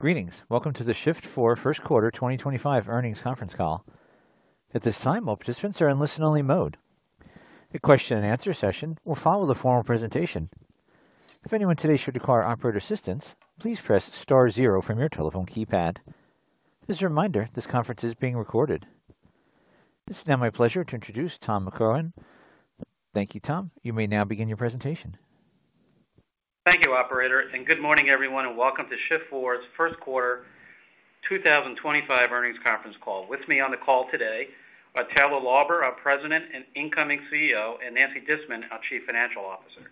Greetings. Welcome to the Shift4 First Quarter 2025 earnings conference call. At this time, all participants are in listen-only mode. The question and answer session will follow the formal presentation. If anyone today should require operator assistance, please press star zero from your telephone keypad. As a reminder, this conference is being recorded. It's now my pleasure to introduce Tom McCrohan. Thank you, Tom. You may now begin your presentation. Thank you, Operator. Good morning, everyone, and welcome to Shift4's First Quarter 2025 Earnings Conference Call. With me on the call today are Taylor Lauber, our President and incoming CEO, and Nancy Disman, our Chief Financial Officer.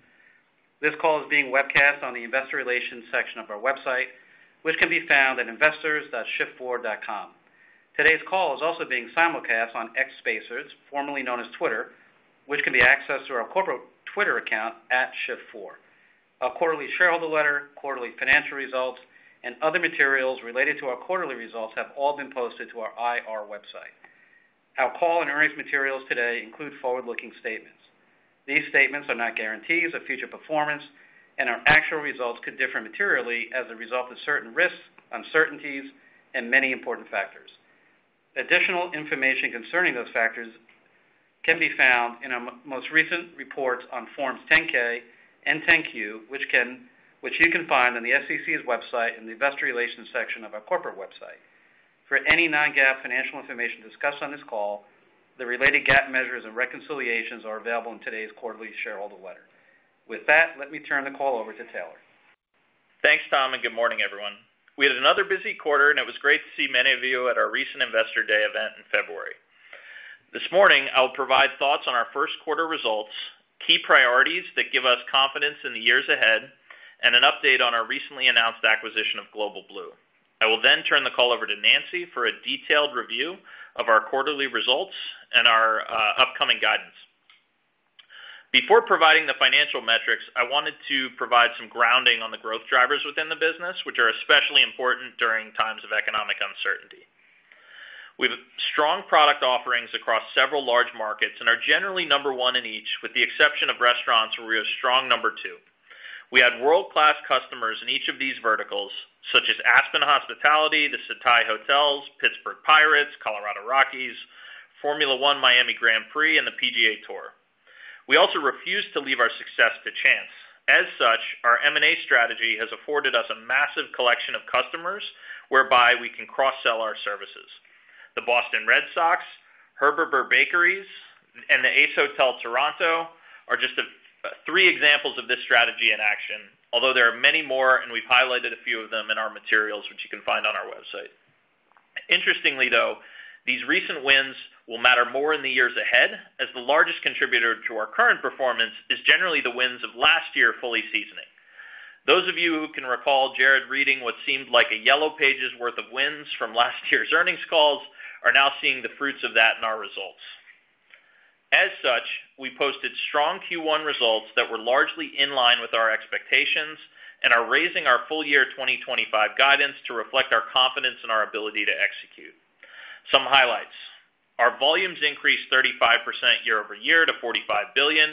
This call is being webcast on the investor relations section of our website, which can be found at investors.shift4.com. Today's call is also being simulcast on X Spacers, formerly known as Twitter, which can be accessed through our corporate Twitter account @Shift4. Our quarterly shareholder letter, quarterly financial results, and other materials related to our quarterly results have all been posted to our IR website. Our call and earnings materials today include forward-looking statements. These statements are not guarantees of future performance, and our actual results could differ materially as a result of certain risks, uncertainties, and many important factors. Additional information concerning those factors can be found in our most recent reports on Forms 10-K and 10-Q, which you can find on the SEC's website in the investor relations section of our corporate website. For any non-GAAP financial information discussed on this call, the related GAAP measures and reconciliations are available in today's quarterly shareholder letter. With that, let me turn the call over to Taylor. Thanks, Tom, and good morning, everyone. We had another busy quarter, and it was great to see many of you at our recent Investor Day event in February. This morning, I'll provide thoughts on our first quarter results, key priorities that give us confidence in the years ahead, and an update on our recently announced acquisition of Global Blue. I will then turn the call over to Nancy for a detailed review of our quarterly results and our upcoming guidance. Before providing the financial metrics, I wanted to provide some grounding on the growth drivers within the business, which are especially important during times of economic uncertainty. We have strong product offerings across several large markets and are generally number one in each, with the exception of restaurants where we are strong number two. We had world-class customers in each of these verticals, such as Aspen Hospitality, the The Setai Hotels, Pittsburgh Pirates, Colorado Rockies, Formula 1 Miami Grand Prix, and the PGA Tour. We also refuse to leave our success to chance. As such, our M&A strategy has afforded us a massive collection of customers whereby we can cross-sell our services. The Boston Red Sox, Herberber Bakeries, and the Ace Hotel Toronto are just three examples of this strategy in action, although there are many more, and we've highlighted a few of them in our materials, which you can find on our website. Interestingly, though, these recent wins will matter more in the years ahead, as the largest contributor to our current performance is generally the wins of last year fully seasoning. Those of you who can recall Jared reading what seemed like a yellow page's worth of wins from last year's earnings calls are now seeing the fruits of that in our results. As such, we posted strong Q1 results that were largely in line with our expectations and are raising our full year 2025 guidance to reflect our confidence in our ability to execute. Some highlights: our volumes increased 35% year-over-year to $45 billion.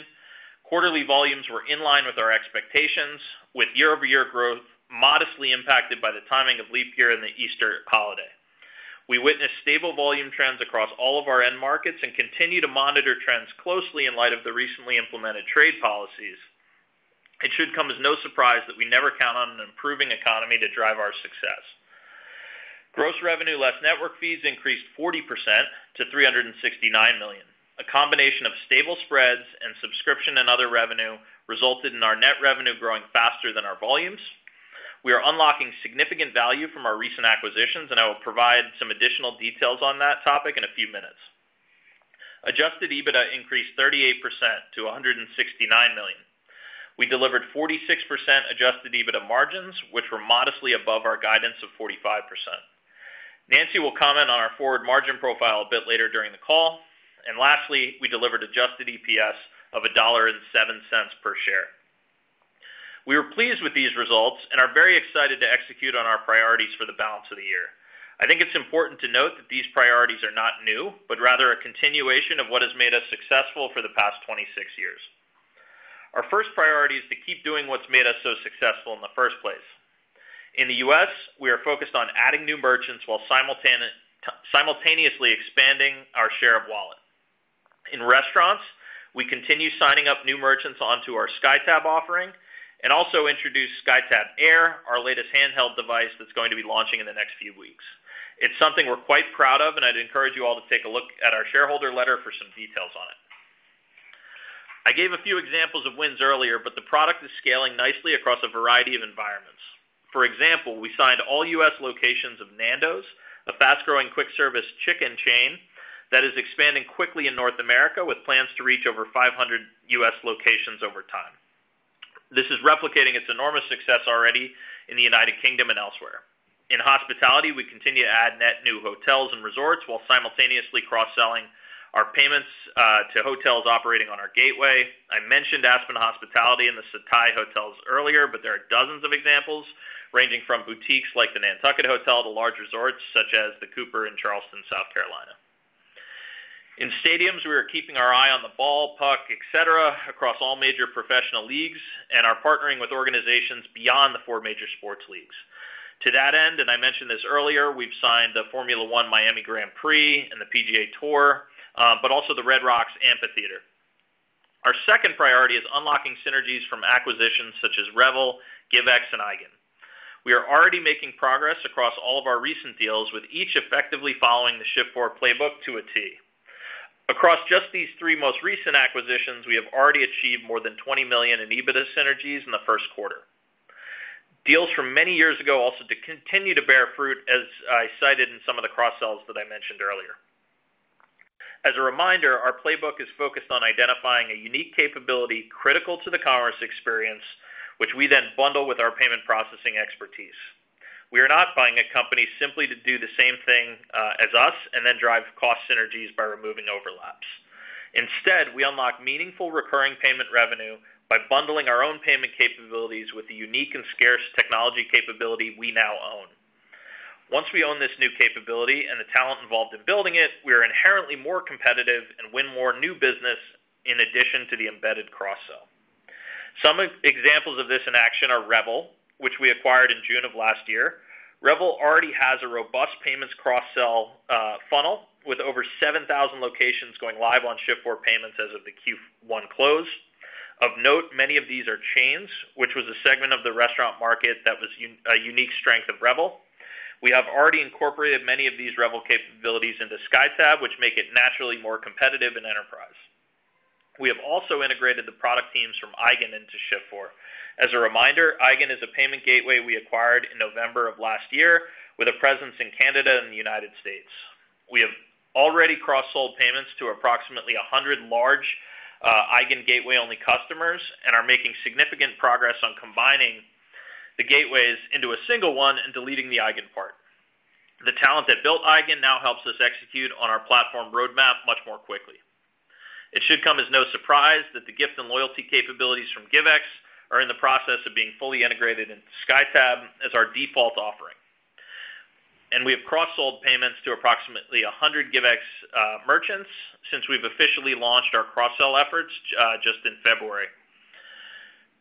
Quarterly volumes were in line with our expectations, with year-over-year growth modestly impacted by the timing of leap year and the Easter holiday. We witnessed stable volume trends across all of our end markets and continue to monitor trends closely in light of the recently implemented trade policies. It should come as no surprise that we never count on an improving economy to drive our success. Gross revenue less network fees increased 40% to $369 million. A combination of stable spreads and subscription and other revenue resulted in our net revenue growing faster than our volumes. We are unlocking significant value from our recent acquisitions, and I will provide some additional details on that topic in a few minutes. Adjusted EBITDA increased 38% to $169 million. We delivered 46% adjusted EBITDA margins, which were modestly above our guidance of 45%. Nancy will comment on our forward margin profile a bit later during the call. Lastly, we delivered adjusted EPS of $1.07 per share. We are pleased with these results and are very excited to execute on our priorities for the balance of the year. I think it's important to note that these priorities are not new, but rather a continuation of what has made us successful for the past 26 years. Our first priority is to keep doing what's made us so successful in the first place. In the U.S., we are focused on adding new merchants while simultaneously expanding our share of wallet. In restaurants, we continue signing up new merchants onto our SkyTab offering and also introduced SkyTab Air, our latest handheld device that's going to be launching in the next few weeks. It's something we're quite proud of, and I'd encourage you all to take a look at our shareholder letter for some details on it. I gave a few examples of wins earlier, but the product is scaling nicely across a variety of environments. For example, we signed all U.S. locations of Nando's, a fast-growing quick-service chicken chain that is expanding quickly in North America with plans to reach over 500 U.S. locations over time. This is replicating its enormous success already in the United Kingdom and elsewhere. In hospitality, we continue to add net new hotels and resorts while simultaneously cross-selling our payments to hotels operating on our gateway. I mentioned Aspen Hospitality and the The Setai Hotels earlier, but there are dozens of examples ranging from boutiques like the Nantucket Hotel to large resorts such as the Cooper in Charleston, South Carolina. In stadiums, we are keeping our eye on the ball, puck, etc., across all major professional leagues and are partnering with organizations beyond the four major sports leagues. To that end, I mentioned this earlier, we have signed the Formula 1 Miami Grand Prix and the PGA Tour, but also the Red Rocks Amphitheater. Our second priority is unlocking synergies from acquisitions such as Revel, GiveX, and Eigen. We are already making progress across all of our recent deals with each effectively following the Shift4 Playbook to a T. Across just these three most recent acquisitions, we have already achieved more than $20 million in EBITDA synergies in the first quarter. Deals from many years ago also continue to bear fruit, as I cited in some of the cross-sells that I mentioned earlier. As a reminder, our playbook is focused on identifying a unique capability critical to the commerce experience, which we then bundle with our payment processing expertise. We are not buying a company simply to do the same thing as us and then drive cost synergies by removing overlaps. Instead, we unlock meaningful recurring payment revenue by bundling our own payment capabilities with the unique and scarce technology capability we now own. Once we own this new capability and the talent involved in building it, we are inherently more competitive and win more new business in addition to the embedded cross-sell. Some examples of this in action are Revel, which we acquired in June of last year. Revel already has a robust payments cross-sell funnel with over 7,000 locations going live on Shift4 Payments as of the Q1 close. Of note, many of these are chains, which was a segment of the restaurant market that was a unique strength of Revel. We have already incorporated many of these Revel capabilities into SkyTab, which make it naturally more competitive in enterprise. We have also integrated the product teams from Eigen into Shift4. As a reminder, Eigen is a payment gateway we acquired in November of last year with a presence in Canada and the United States. We have already cross-sold payments to approximately 100 large Eigen gateway-only customers and are making significant progress on combining the gateways into a single one and deleting the Eigen part. The talent that built Eigen now helps us execute on our platform roadmap much more quickly. It should come as no surprise that the gift and loyalty capabilities from GiveX are in the process of being fully integrated into SkyTab as our default offering. We have cross-sold payments to approximately 100 GiveX merchants since we have officially launched our cross-sell efforts just in February.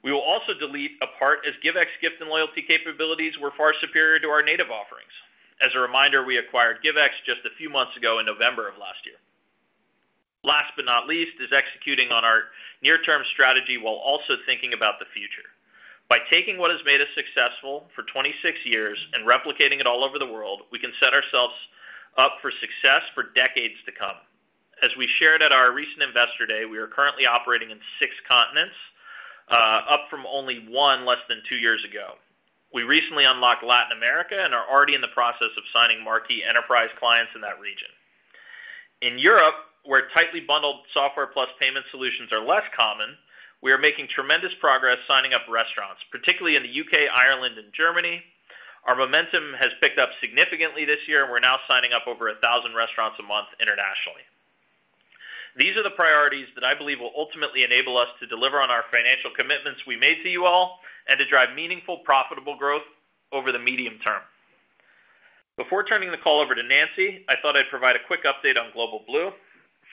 We will also delete a part as GiveX gift and loyalty capabilities were far superior to our native offerings. As a reminder, we acquired GiveX just a few months ago in November of last year. Last but not least, is executing on our near-term strategy while also thinking about the future. By taking what has made us successful for 26 years and replicating it all over the world, we can set ourselves up for success for decades to come. As we shared at our recent investor day, we are currently operating in six continents, up from only one less than two years ago. We recently unlocked Latin America and are already in the process of signing marquee enterprise clients in that region. In Europe, where tightly bundled software plus payment solutions are less common, we are making tremendous progress signing up restaurants, particularly in the U.K., Ireland, and Germany. Our momentum has picked up significantly this year, and we're now signing up over 1,000 restaurants a month internationally. These are the priorities that I believe will ultimately enable us to deliver on our financial commitments we made to you all and to drive meaningful, profitable growth over the medium term. Before turning the call over to Nancy, I thought I'd provide a quick update on Global Blue.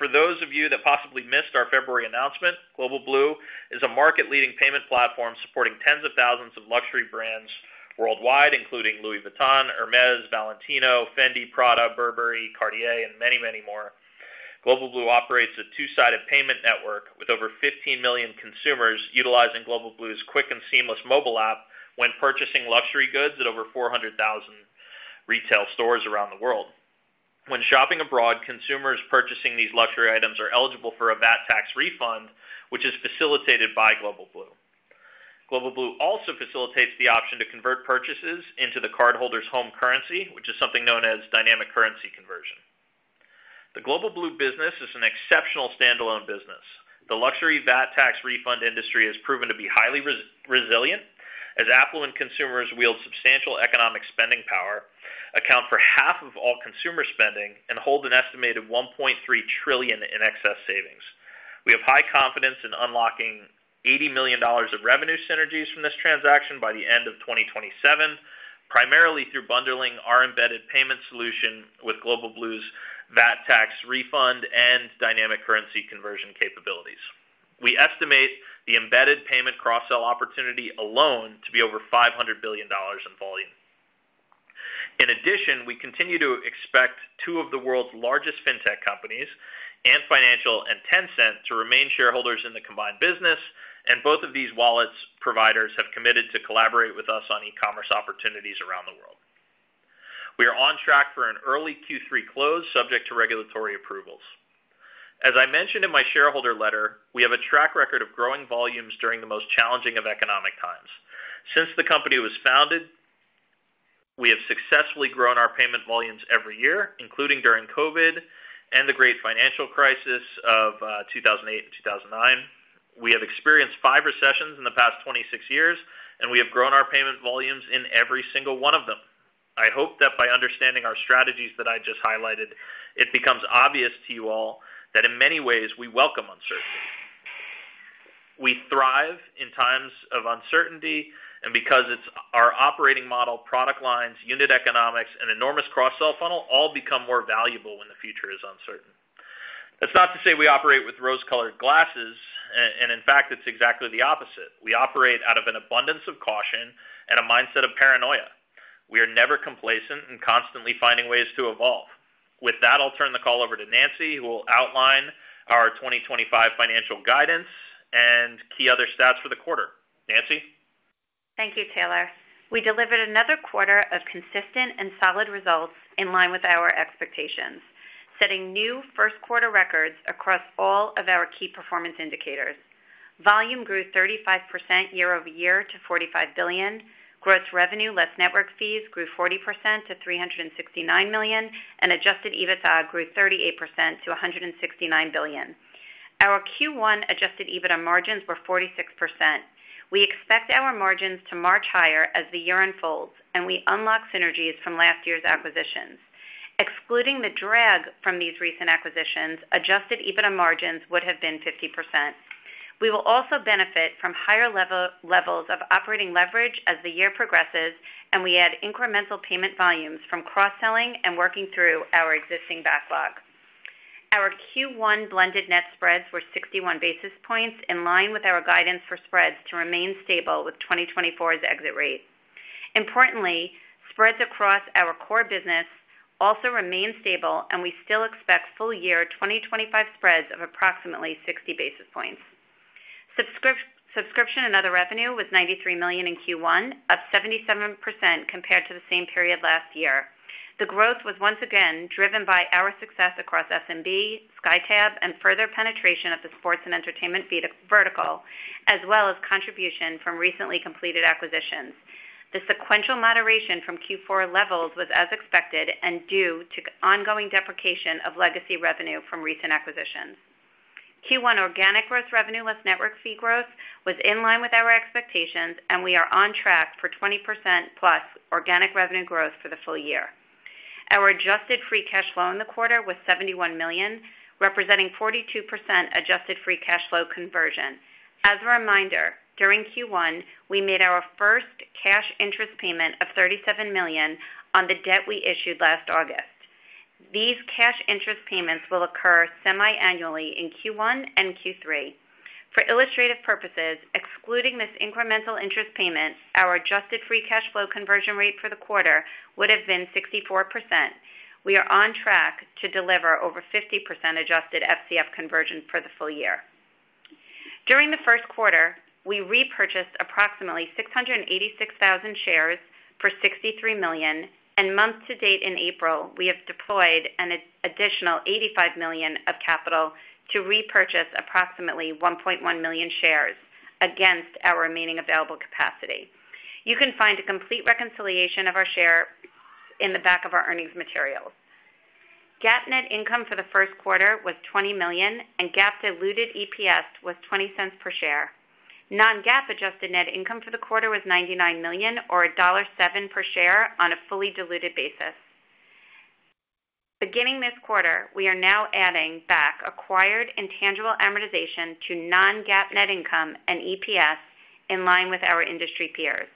For those of you that possibly missed our February announcement, Global Blue is a market-leading payment platform supporting tens of thousands of luxury brands worldwide, including Louis Vuitton, Hermès, Valentino, Fendi, Prada, Burberry, Cartier, and many, many more. Global Blue operates a two-sided payment network with over 15 million consumers utilizing Global Blue's quick and seamless mobile app when purchasing luxury goods at over 400,000 retail stores around the world. When shopping abroad, consumers purchasing these luxury items are eligible for a VAT tax refund, which is facilitated by Global Blue. Global Blue also facilitates the option to convert purchases into the cardholder's home currency, which is something known as dynamic currency conversion. The Global Blue business is an exceptional standalone business. The luxury VAT tax refund industry has proven to be highly resilient, as affluent consumers wield substantial economic spending power, account for half of all consumer spending, and hold an estimated $1.3 trillion in excess savings. We have high confidence in unlocking $80 million of revenue synergies from this transaction by the end of 2027, primarily through bundling our embedded payment solution with Global Blue's VAT tax refund and dynamic currency conversion capabilities. We estimate the embedded payment cross-sell opportunity alone to be over $500 billion in volume. In addition, we continue to expect two of the world's largest fintech companies, Ant Financial and Tencent, to remain shareholders in the combined business, and both of these wallets providers have committed to collaborate with us on e-commerce opportunities around the world. We are on track for an early Q3 close, subject to regulatory approvals. As I mentioned in my shareholder letter, we have a track record of growing volumes during the most challenging of economic times. Since the company was founded, we have successfully grown our payment volumes every year, including during COVID and the great financial crisis of 2008 and 2009. We have experienced five recessions in the past 26 years, and we have grown our payment volumes in every single one of them. I hope that by understanding our strategies that I just highlighted, it becomes obvious to you all that in many ways, we welcome uncertainty. We thrive in times of uncertainty, and because it's our operating model, product lines, unit economics, and enormous cross-sell funnel all become more valuable when the future is uncertain. That's not to say we operate with rose-colored glasses, and in fact, it's exactly the opposite. We operate out of an abundance of caution and a mindset of paranoia. We are never complacent and constantly finding ways to evolve. With that, I'll turn the call over to Nancy, who will outline our 2025 financial guidance and key other stats for the quarter. Nancy? Thank you, Taylor. We delivered another quarter of consistent and solid results in line with our expectations, setting new first-quarter records across all of our key performance indicators. Volume grew 35% year over year to $45 billion. Gross revenue less network fees grew 40% to $369 million, and adjusted EBITDA grew 38% to $169 million. Our Q1 adjusted EBITDA margins were 46%. We expect our margins to march higher as the year unfolds, and we unlock synergies from last year's acquisitions. Excluding the drag from these recent acquisitions, adjusted EBITDA margins would have been 50%. We will also benefit from higher levels of operating leverage as the year progresses, and we add incremental payment volumes from cross-selling and working through our existing backlog. Our Q1 blended net spreads were 61 basis points, in line with our guidance for spreads to remain stable with 2024's exit rate. Importantly, spreads across our core business also remain stable, and we still expect full-year 2025 spreads of approximately 60 basis points. Subscription and other revenue was $93 million in Q1, up 77% compared to the same period last year. The growth was once again driven by our success across S&B, SkyTab, and further penetration of the sports and entertainment vertical, as well as contribution from recently completed acquisitions. The sequential moderation from Q4 levels was as expected and due to ongoing deprecation of legacy revenue from recent acquisitions. Q1 organic growth revenue less network fee growth was in line with our expectations, and we are on track for 20% plus organic revenue growth for the full year. Our adjusted free cash flow in the quarter was $71 million, representing 42% adjusted free cash flow conversion. As a reminder, during Q1, we made our first cash interest payment of $37 million on the debt we issued last August. These cash interest payments will occur semi-annually in Q1 and Q3. For illustrative purposes, excluding this incremental interest payment, our adjusted free cash flow conversion rate for the quarter would have been 64%. We are on track to deliver over 50% adjusted FCF conversion for the full year. During the first quarter, we repurchased approximately 686,000 shares for $63 million, and month-to-date in April, we have deployed an additional $85 million of capital to repurchase approximately 1.1 million shares against our remaining available capacity. You can find a complete reconciliation of our share in the back of our earnings materials. GAAP net income for the first quarter was $20 million, and GAAP diluted EPS was $0.20 per share. Non-GAAP adjusted net income for the quarter was $99 million, or $1.07 per share on a fully diluted basis. Beginning this quarter, we are now adding back acquired intangible amortization to non-GAAP net income and EPS in line with our industry peers.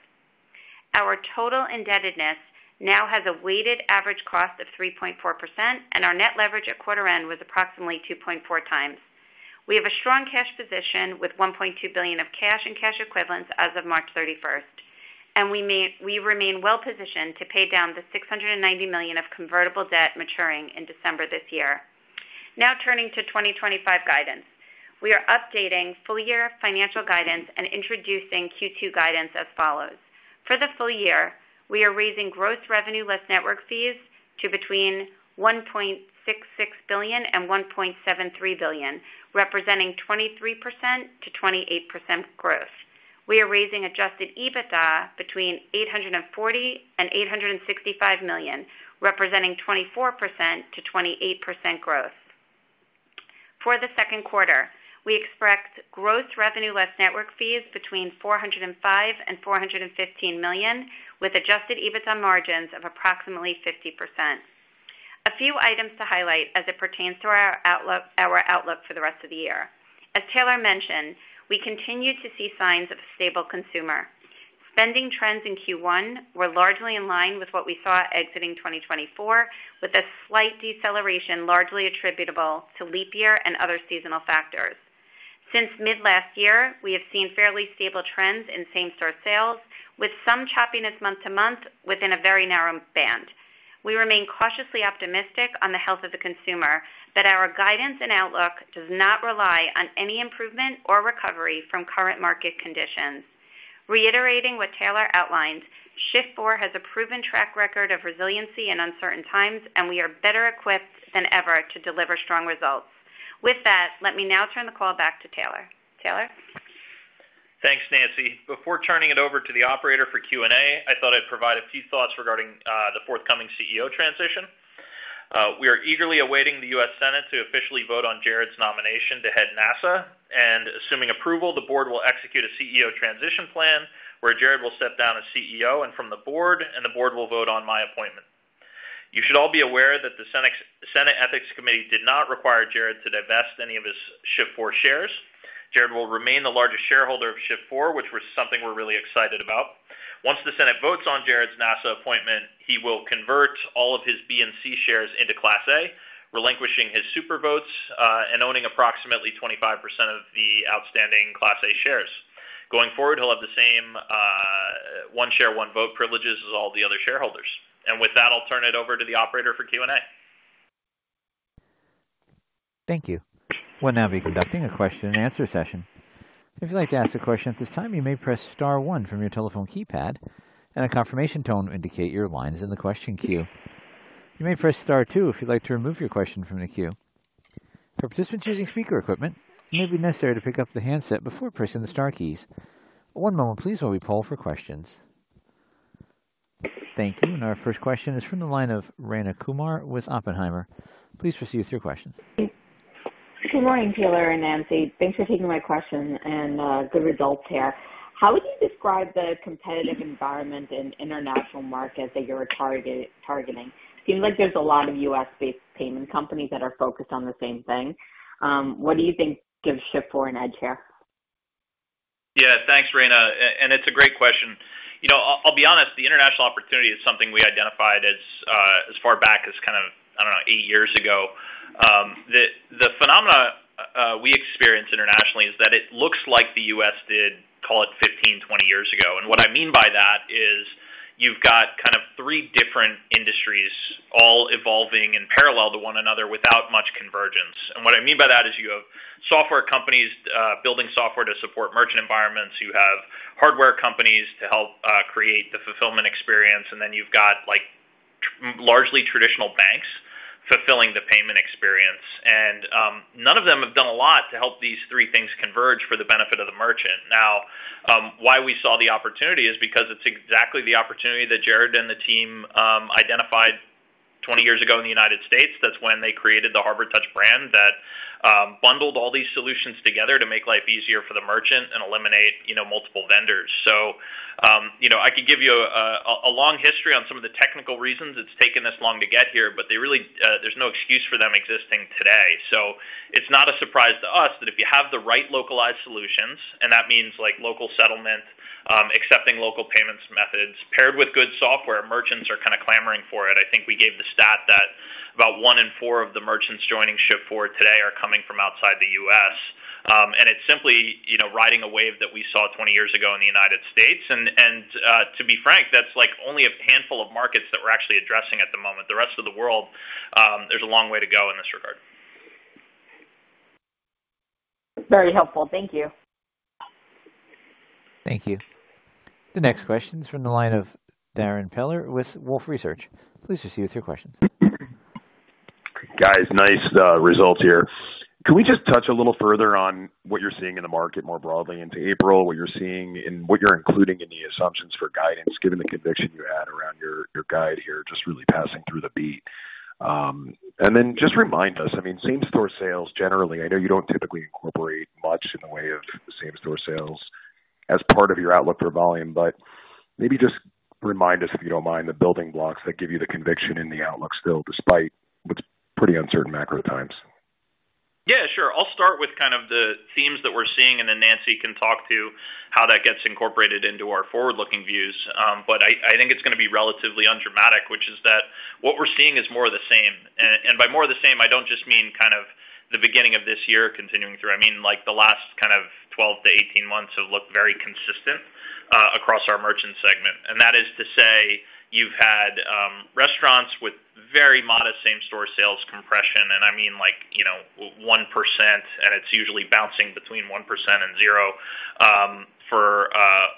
Our total indebtedness now has a weighted average cost of 3.4%, and our net leverage at quarter end was approximately 2.4 times. We have a strong cash position with $1.2 billion of cash and cash equivalents as of March 31st, and we remain well-positioned to pay down the $690 million of convertible debt maturing in December this year. Now turning to 2025 guidance, we are updating full-year financial guidance and introducing Q2 guidance as follows. For the full year, we are raising gross revenue less network fees to between $1.66 billion and $1.73 billion, representing 23% to 28% growth. We are raising adjusted EBITDA between $840 million and $865 million, representing 24% to 28% growth. For the second quarter, we expect gross revenue less network fees between $405 million and $415 million, with adjusted EBITDA margins of approximately 50%. A few items to highlight as it pertains to our outlook for the rest of the year. As Taylor mentioned, we continue to see signs of a stable consumer. Spending trends in Q1 were largely in line with what we saw exiting 2024, with a slight deceleration largely attributable to leap year and other seasonal factors. Since mid-last year, we have seen fairly stable trends in same-store sales, with some choppiness month-to-month within a very narrow band. We remain cautiously optimistic on the health of the consumer, but our guidance and outlook does not rely on any improvement or recovery from current market conditions. Reiterating what Taylor outlined, Shift4 has a proven track record of resiliency in uncertain times, and we are better equipped than ever to deliver strong results. With that, let me now turn the call back to Taylor. Taylor? Thanks, Nancy. Before turning it over to the operator for Q&A, I thought I'd provide a few thoughts regarding the forthcoming CEO transition. We are eagerly awaiting the U.S. Senate to officially vote on Jared's nomination to head NASA, and assuming approval, the board will execute a CEO transition plan where Jared will step down as CEO and from the board, and the board will vote on my appointment. You should all be aware that the Senate Ethics Committee did not require Jared to divest any of his Shift4 shares. Jared will remain the largest shareholder of Shift4, which was something we're really excited about. Once the Senate votes on Jared's NASA appointment, he will convert all of his B&C shares into Class A, relinquishing his super votes and owning approximately 25% of the outstanding Class A shares. Going forward, he'll have the same one-share, one-vote privileges as all the other shareholders. With that, I'll turn it over to the operator for Q&A. Thank you. We'll now be conducting a question and answer session. If you'd like to ask a question at this time, you may press star one from your telephone keypad, and a confirmation tone will indicate your line is in the question queue. You may press star two if you'd like to remove your question from the queue. For participants using speaker equipment, it may be necessary to pick up the handset before pressing the star keys. One moment, please, while we poll for questions. Thank you. Our first question is from the line of Rayna Kumar with Oppenheimer. Please proceed with your questions. Good morning, Taylor and Nancy. Thanks for taking my question and good results here. How would you describe the competitive environment in international markets that you're targeting? Seems like there's a lot of U.S.-based payment companies that are focused on the same thing. What do you think gives Shift4 an edge here? Yeah, thanks, Rayna. It's a great question. I'll be honest, the international opportunity is something we identified as far back as, I don't know, eight years ago. The phenomena we experience internationally is that it looks like the U.S. did, call it 15, 20 years ago. What I mean by that is you've got kind of three different industries all evolving in parallel to one another without much convergence. What I mean by that is you have software companies building software to support merchant environments, you have hardware companies to help create the fulfillment experience, and then you've got largely traditional banks fulfilling the payment experience. None of them have done a lot to help these three things converge for the benefit of the merchant. Now, why we saw the opportunity is because it's exactly the opportunity that Jared and the team identified 20 years ago in the United States. That's when they created the HarborTouch brand that bundled all these solutions together to make life easier for the merchant and eliminate multiple vendors. I can give you a long history on some of the technical reasons it's taken this long to get here, but there's no excuse for them existing today. It's not a surprise to us that if you have the right localized solutions, and that means local settlement, accepting local payment methods, paired with good software, merchants are kind of clamoring for it. I think we gave the stat that about one in four of the merchants joining Shift4 today are coming from outside the U.S. It is simply riding a wave that we saw 20 years ago in the United States. To be frank, that's only a handful of markets that we're actually addressing at the moment. The rest of the world, there's a long way to go in this regard. Very helpful. Thank you. Thank you. The next question is from the line of Darrin Peller with Wolfe Research. Please proceed with your questions. Guys, nice results here. Can we just touch a little further on what you're seeing in the market more broadly into April, what you're seeing and what you're including in the assumptions for guidance, given the conviction you had around your guide here, just really passing through the beat. Just remind us, I mean, same-store sales generally, I know you do not typically incorporate much in the way of same-store sales as part of your outlook for volume, but maybe just remind us, if you do not mind, the building blocks that give you the conviction and the outlook still despite what is pretty uncertain macro times. Yeah, sure. I will start with kind of the themes that we are seeing, and then Nancy can talk to how that gets incorporated into our forward-looking views. I think it is going to be relatively undramatic, which is that what we are seeing is more of the same. By more of the same, I do not just mean kind of the beginning of this year continuing through. I mean, the last kind of 12 to 18 months have looked very consistent across our merchant segment. That is to say you've had restaurants with very modest same-store sales compression, and I mean 1%, and it's usually bouncing between 1% and zero for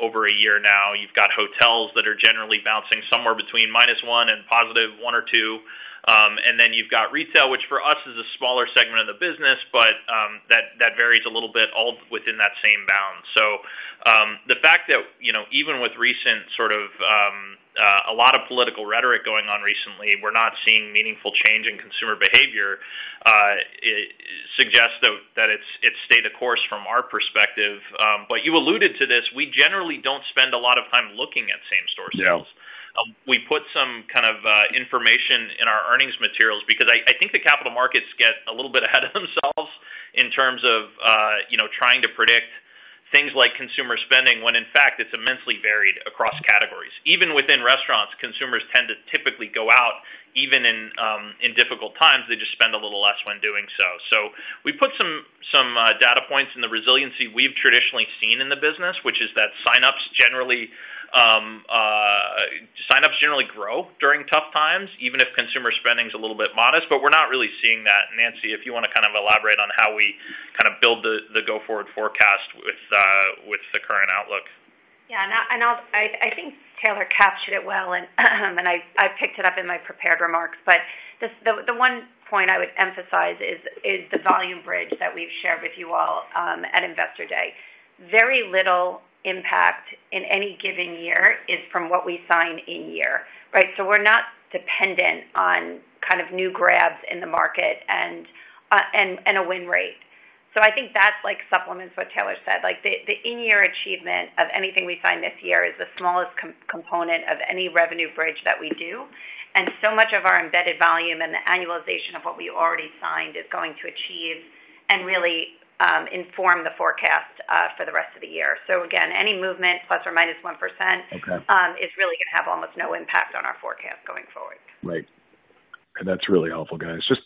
over a year now. You've got hotels that are generally bouncing somewhere between minus 1% and positive 1% or 2%. You've got retail, which for us is a smaller segment of the business, but that varies a little bit all within that same bound. The fact that even with recent sort of a lot of political rhetoric going on recently, we're not seeing meaningful change in consumer behavior suggests that it's stayed the course from our perspective. You alluded to this. We generally don't spend a lot of time looking at same-store sales. We put some kind of information in our earnings materials because I think the capital markets get a little bit ahead of themselves in terms of trying to predict things like consumer spending when, in fact, it's immensely varied across categories. Even within restaurants, consumers tend to typically go out even in difficult times. They just spend a little less when doing so. We put some data points in the resiliency we've traditionally seen in the business, which is that sign-ups generally grow during tough times, even if consumer spending's a little bit modest. We're not really seeing that. Nancy, if you want to kind of elaborate on how we kind of build the go-forward forecast with the current outlook. Yeah. I think Taylor captured it well, and I picked it up in my prepared remarks. The one point I would emphasize is the volume bridge that we've shared with you all at Investor Day. Very little impact in any given year is from what we sign in year, right? We're not dependent on kind of new grabs in the market and a win rate. I think that supplements what Taylor said. The in-year achievement of anything we sign this year is the smallest component of any revenue bridge that we do. Much of our embedded volume and the annualization of what we already signed is going to achieve and really inform the forecast for the rest of the year. Again, any movement plus or minus 1% is really going to have almost no impact on our forecast going forward. Right. That's really helpful, guys. Just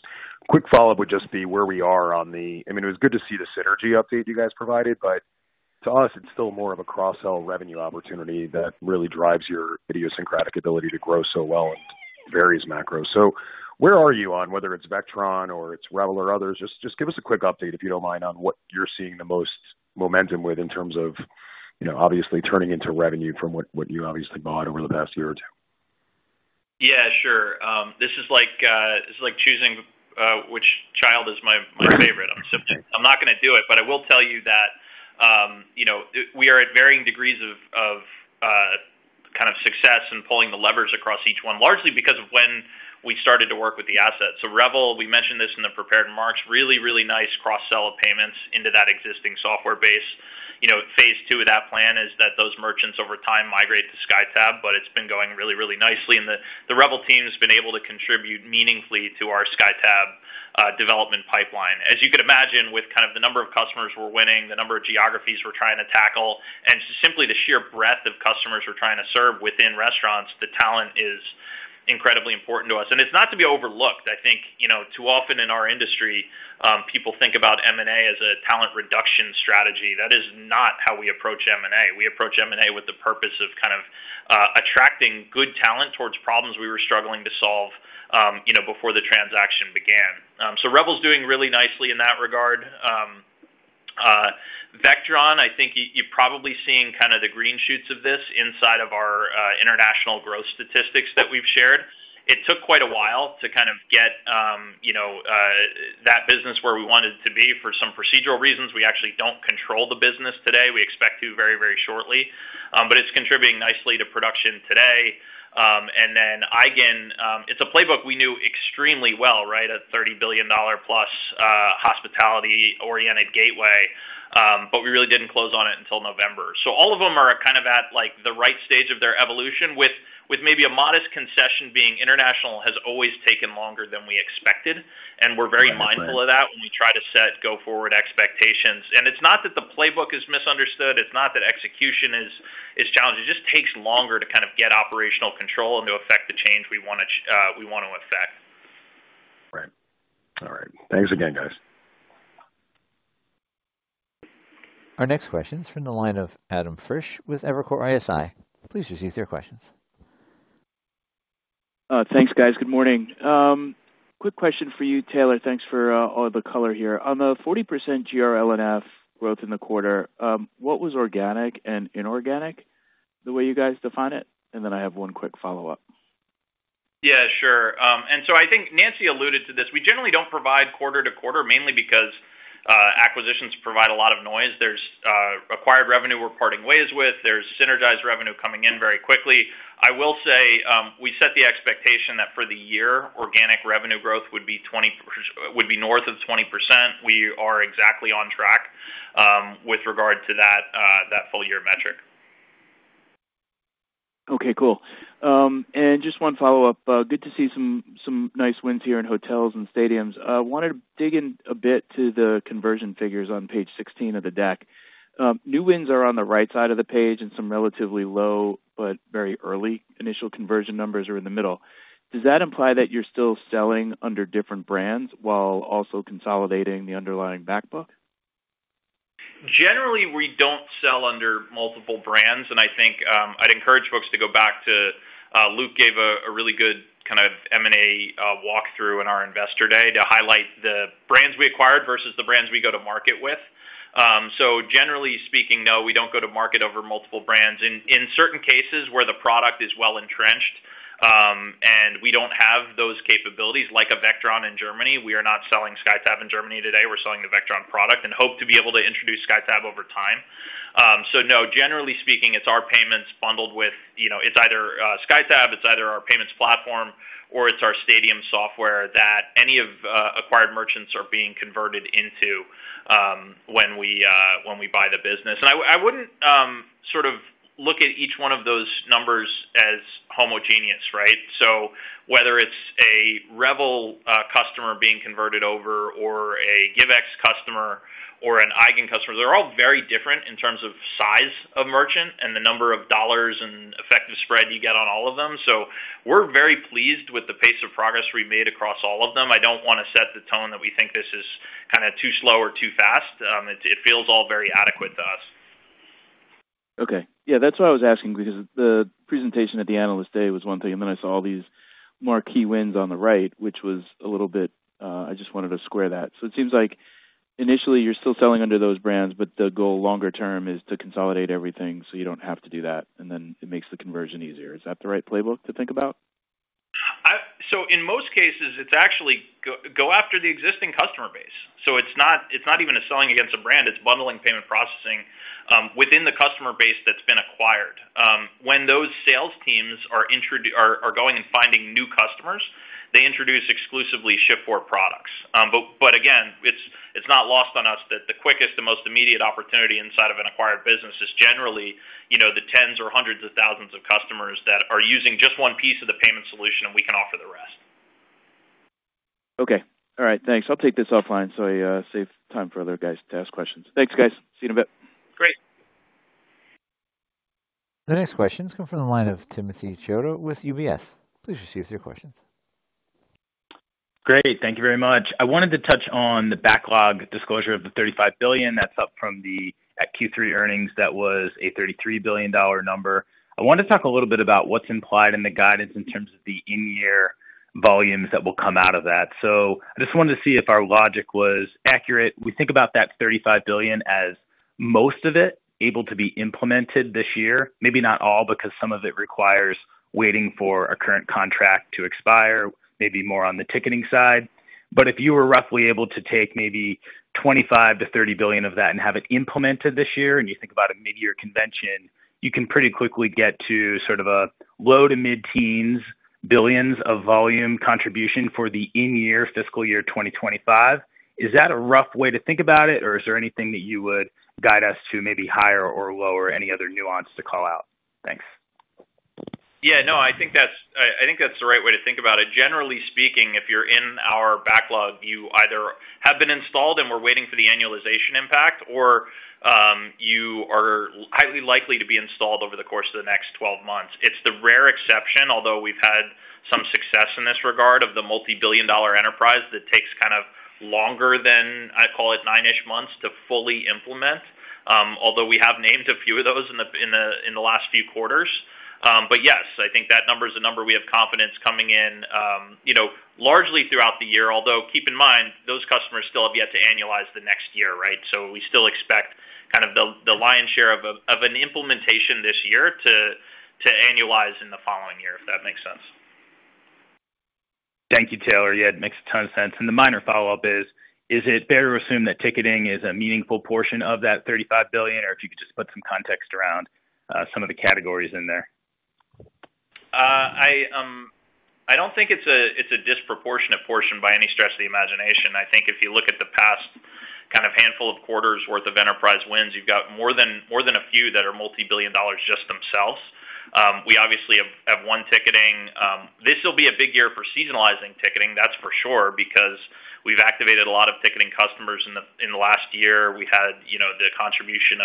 quick follow-up would just be where we are on the, I mean, it was good to see the synergy update you guys provided, but to us, it's still more of a cross-sell revenue opportunity that really drives your idiosyncratic ability to grow so well in various macros. Where are you on, whether it's Vectron or it's Revel or others? Just give us a quick update, if you don't mind, on what you're seeing the most momentum with in terms of obviously turning into revenue from what you obviously bought over the past year or two. Yeah, sure. This is like choosing which child is my favorite. I'm not going to do it, but I will tell you that we are at varying degrees of kind of success in pulling the levers across each one, largely because of when we started to work with the assets. Revel, we mentioned this in the prepared remarks, really, really nice cross-sell of payments into that existing software base. Phase II of that plan is that those merchants over time migrate to SkyTab, but it's been going really, really nicely. The Revel team has been able to contribute meaningfully to our SkyTab development pipeline. As you could imagine, with kind of the number of customers we're winning, the number of geographies we're trying to tackle, and simply the sheer breadth of customers we're trying to serve within restaurants, the talent is incredibly important to us. It's not to be overlooked. I think too often in our industry, people think about M&A as a talent reduction strategy. That is not how we approach M&A. We approach M&A with the purpose of kind of attracting good talent towards problems we were struggling to solve before the transaction began. Revel is doing really nicely in that regard. Vectron, I think you're probably seeing kind of the green shoots of this inside of our international growth statistics that we've shared. It took quite a while to kind of get that business where we wanted it to be. For some procedural reasons, we actually don't control the business today. We expect to very, very shortly. It's contributing nicely to production today. Eigen, it's a playbook we knew extremely well, right, a $30 billion-plus hospitality-oriented gateway, but we really didn't close on it until November. All of them are kind of at the right stage of their evolution, with maybe a modest concession being international has always taken longer than we expected. We're very mindful of that when we try to set go-forward expectations. It's not that the playbook is misunderstood. It's not that execution is challenged. It just takes longer to kind of get operational control and to affect the change we want to affect. Right. All right. Thanks again, guys. Our next question is from the line of Adam Frisch with Evercore ISI. Please proceed with your questions. Thanks, guys. Good morning. Quick question for you, Taylor. Thanks for all the color here. On the 40% GRLNF growth in the quarter, what was organic and inorganic the way you guys define it? I have one quick follow-up. Yeah, sure. I think Nancy alluded to this. We generally don't provide quarter to quarter, mainly because acquisitions provide a lot of noise. There's acquired revenue we're parting ways with. There's synergized revenue coming in very quickly. I will say we set the expectation that for the year, organic revenue growth would be north of 20%. We are exactly on track with regard to that full-year metric. Okay, cool. Just one follow-up. Good to see some nice wins here in hotels and stadiums. I wanted to dig in a bit to the conversion figures on page 16 of the deck. New wins are on the right side of the page and some relatively low, but very early initial conversion numbers are in the middle. Does that imply that you're still selling under different brands while also consolidating the underlying backbook? Generally, we don't sell under multiple brands. I think I'd encourage folks to go back to Luke gave a really good kind of M&A walkthrough in our Investor Day to highlight the brands we acquired versus the brands we go to market with. Generally speaking, no, we don't go to market over multiple brands. In certain cases where the product is well entrenched and we don't have those capabilities like a Vectron in Germany. We are not selling SkyTab in Germany today. We're selling the Vectron product and hope to be able to introduce SkyTab over time. No, generally speaking, it's our payments bundled with it's either SkyTab, it's either our payments platform, or it's our stadium software that any of acquired merchants are being converted into when we buy the business. I wouldn't sort of look at each one of those numbers as homogeneous, right? Whether it's a Revel customer being converted over or a GiveX customer or an Eigen customer, they're all very different in terms of size of merchant and the number of dollars and effective spread you get on all of them. We're very pleased with the pace of progress we've made across all of them. I don't want to set the tone that we think this is kind of too slow or too fast. It feels all very adequate to us. Okay. Yeah, that's what I was asking because the presentation at the Analyst Day was one thing, and then I saw all these marquee wins on the right, which was a little bit I just wanted to square that. It seems like initially you're still selling under those brands, but the goal longer term is to consolidate everything so you don't have to do that, and then it makes the conversion easier. Is that the right playbook to think about? In most cases, it's actually go after the existing customer base. It's not even a selling against a brand. It's bundling payment processing within the customer base that's been acquired. When those sales teams are going and finding new customers, they introduce exclusively Shift4 products. Again, it's not lost on us that the quickest and most immediate opportunity inside of an acquired business is generally the tens or hundreds of thousands of customers that are using just one piece of the payment solution, and we can offer the rest. Okay. All right. Thanks. I'll take this offline so I save time for other guys to ask questions. Thanks, guys. See you in a bit. Great. The next question is coming from the line of Timothy Chiodo with UBS. Please proceed with your questions. Great. Thank you very much. I wanted to touch on the backlog disclosure of the $35 billion. That's up from the Q3 earnings that was a $33 billion number. I wanted to talk a little bit about what's implied in the guidance in terms of the in-year volumes that will come out of that. I just wanted to see if our logic was accurate. We think about that $35 billion as most of it able to be implemented this year. Maybe not all because some of it requires waiting for a current contract to expire, maybe more on the ticketing side. If you were roughly able to take maybe $25-$30 billion of that and have it implemented this year, and you think about a mid-year convention, you can pretty quickly get to sort of a low to mid-teens billions of volume contribution for the in-year Fiscal Year 2025. Is that a rough way to think about it, or is there anything that you would guide us to maybe higher or lower, any other nuance to call out? Thanks. Yeah. No, I think that's the right way to think about it. Generally speaking, if you're in our backlog, you either have been installed and we're waiting for the annualization impact, or you are highly likely to be installed over the course of the next 12 months. It's the rare exception, although we've had some success in this regard of the multi-billion dollar enterprise that takes kind of longer than I call it nine-ish months to fully implement, although we have named a few of those in the last few quarters. Yes, I think that number is a number we have confidence coming in largely throughout the year. Although keep in mind, those customers still have yet to annualize the next year, right? We still expect kind of the lion's share of an implementation this year to annualize in the following year, if that makes sense. Thank you, Taylor. Yeah, it makes a ton of sense. The minor follow-up is, is it fair to assume that ticketing is a meaningful portion of that $35 billion, or if you could just put some context around some of the categories in there? I don't think it's a disproportionate portion by any stretch of the imagination. I think if you look at the past kind of handful of quarters' worth of enterprise wins, you've got more than a few that are multi-billion dollars just themselves. We obviously have one ticketing. This will be a big year for seasonalizing ticketing, that's for sure, because we've activated a lot of ticketing customers in the last year. We had the contribution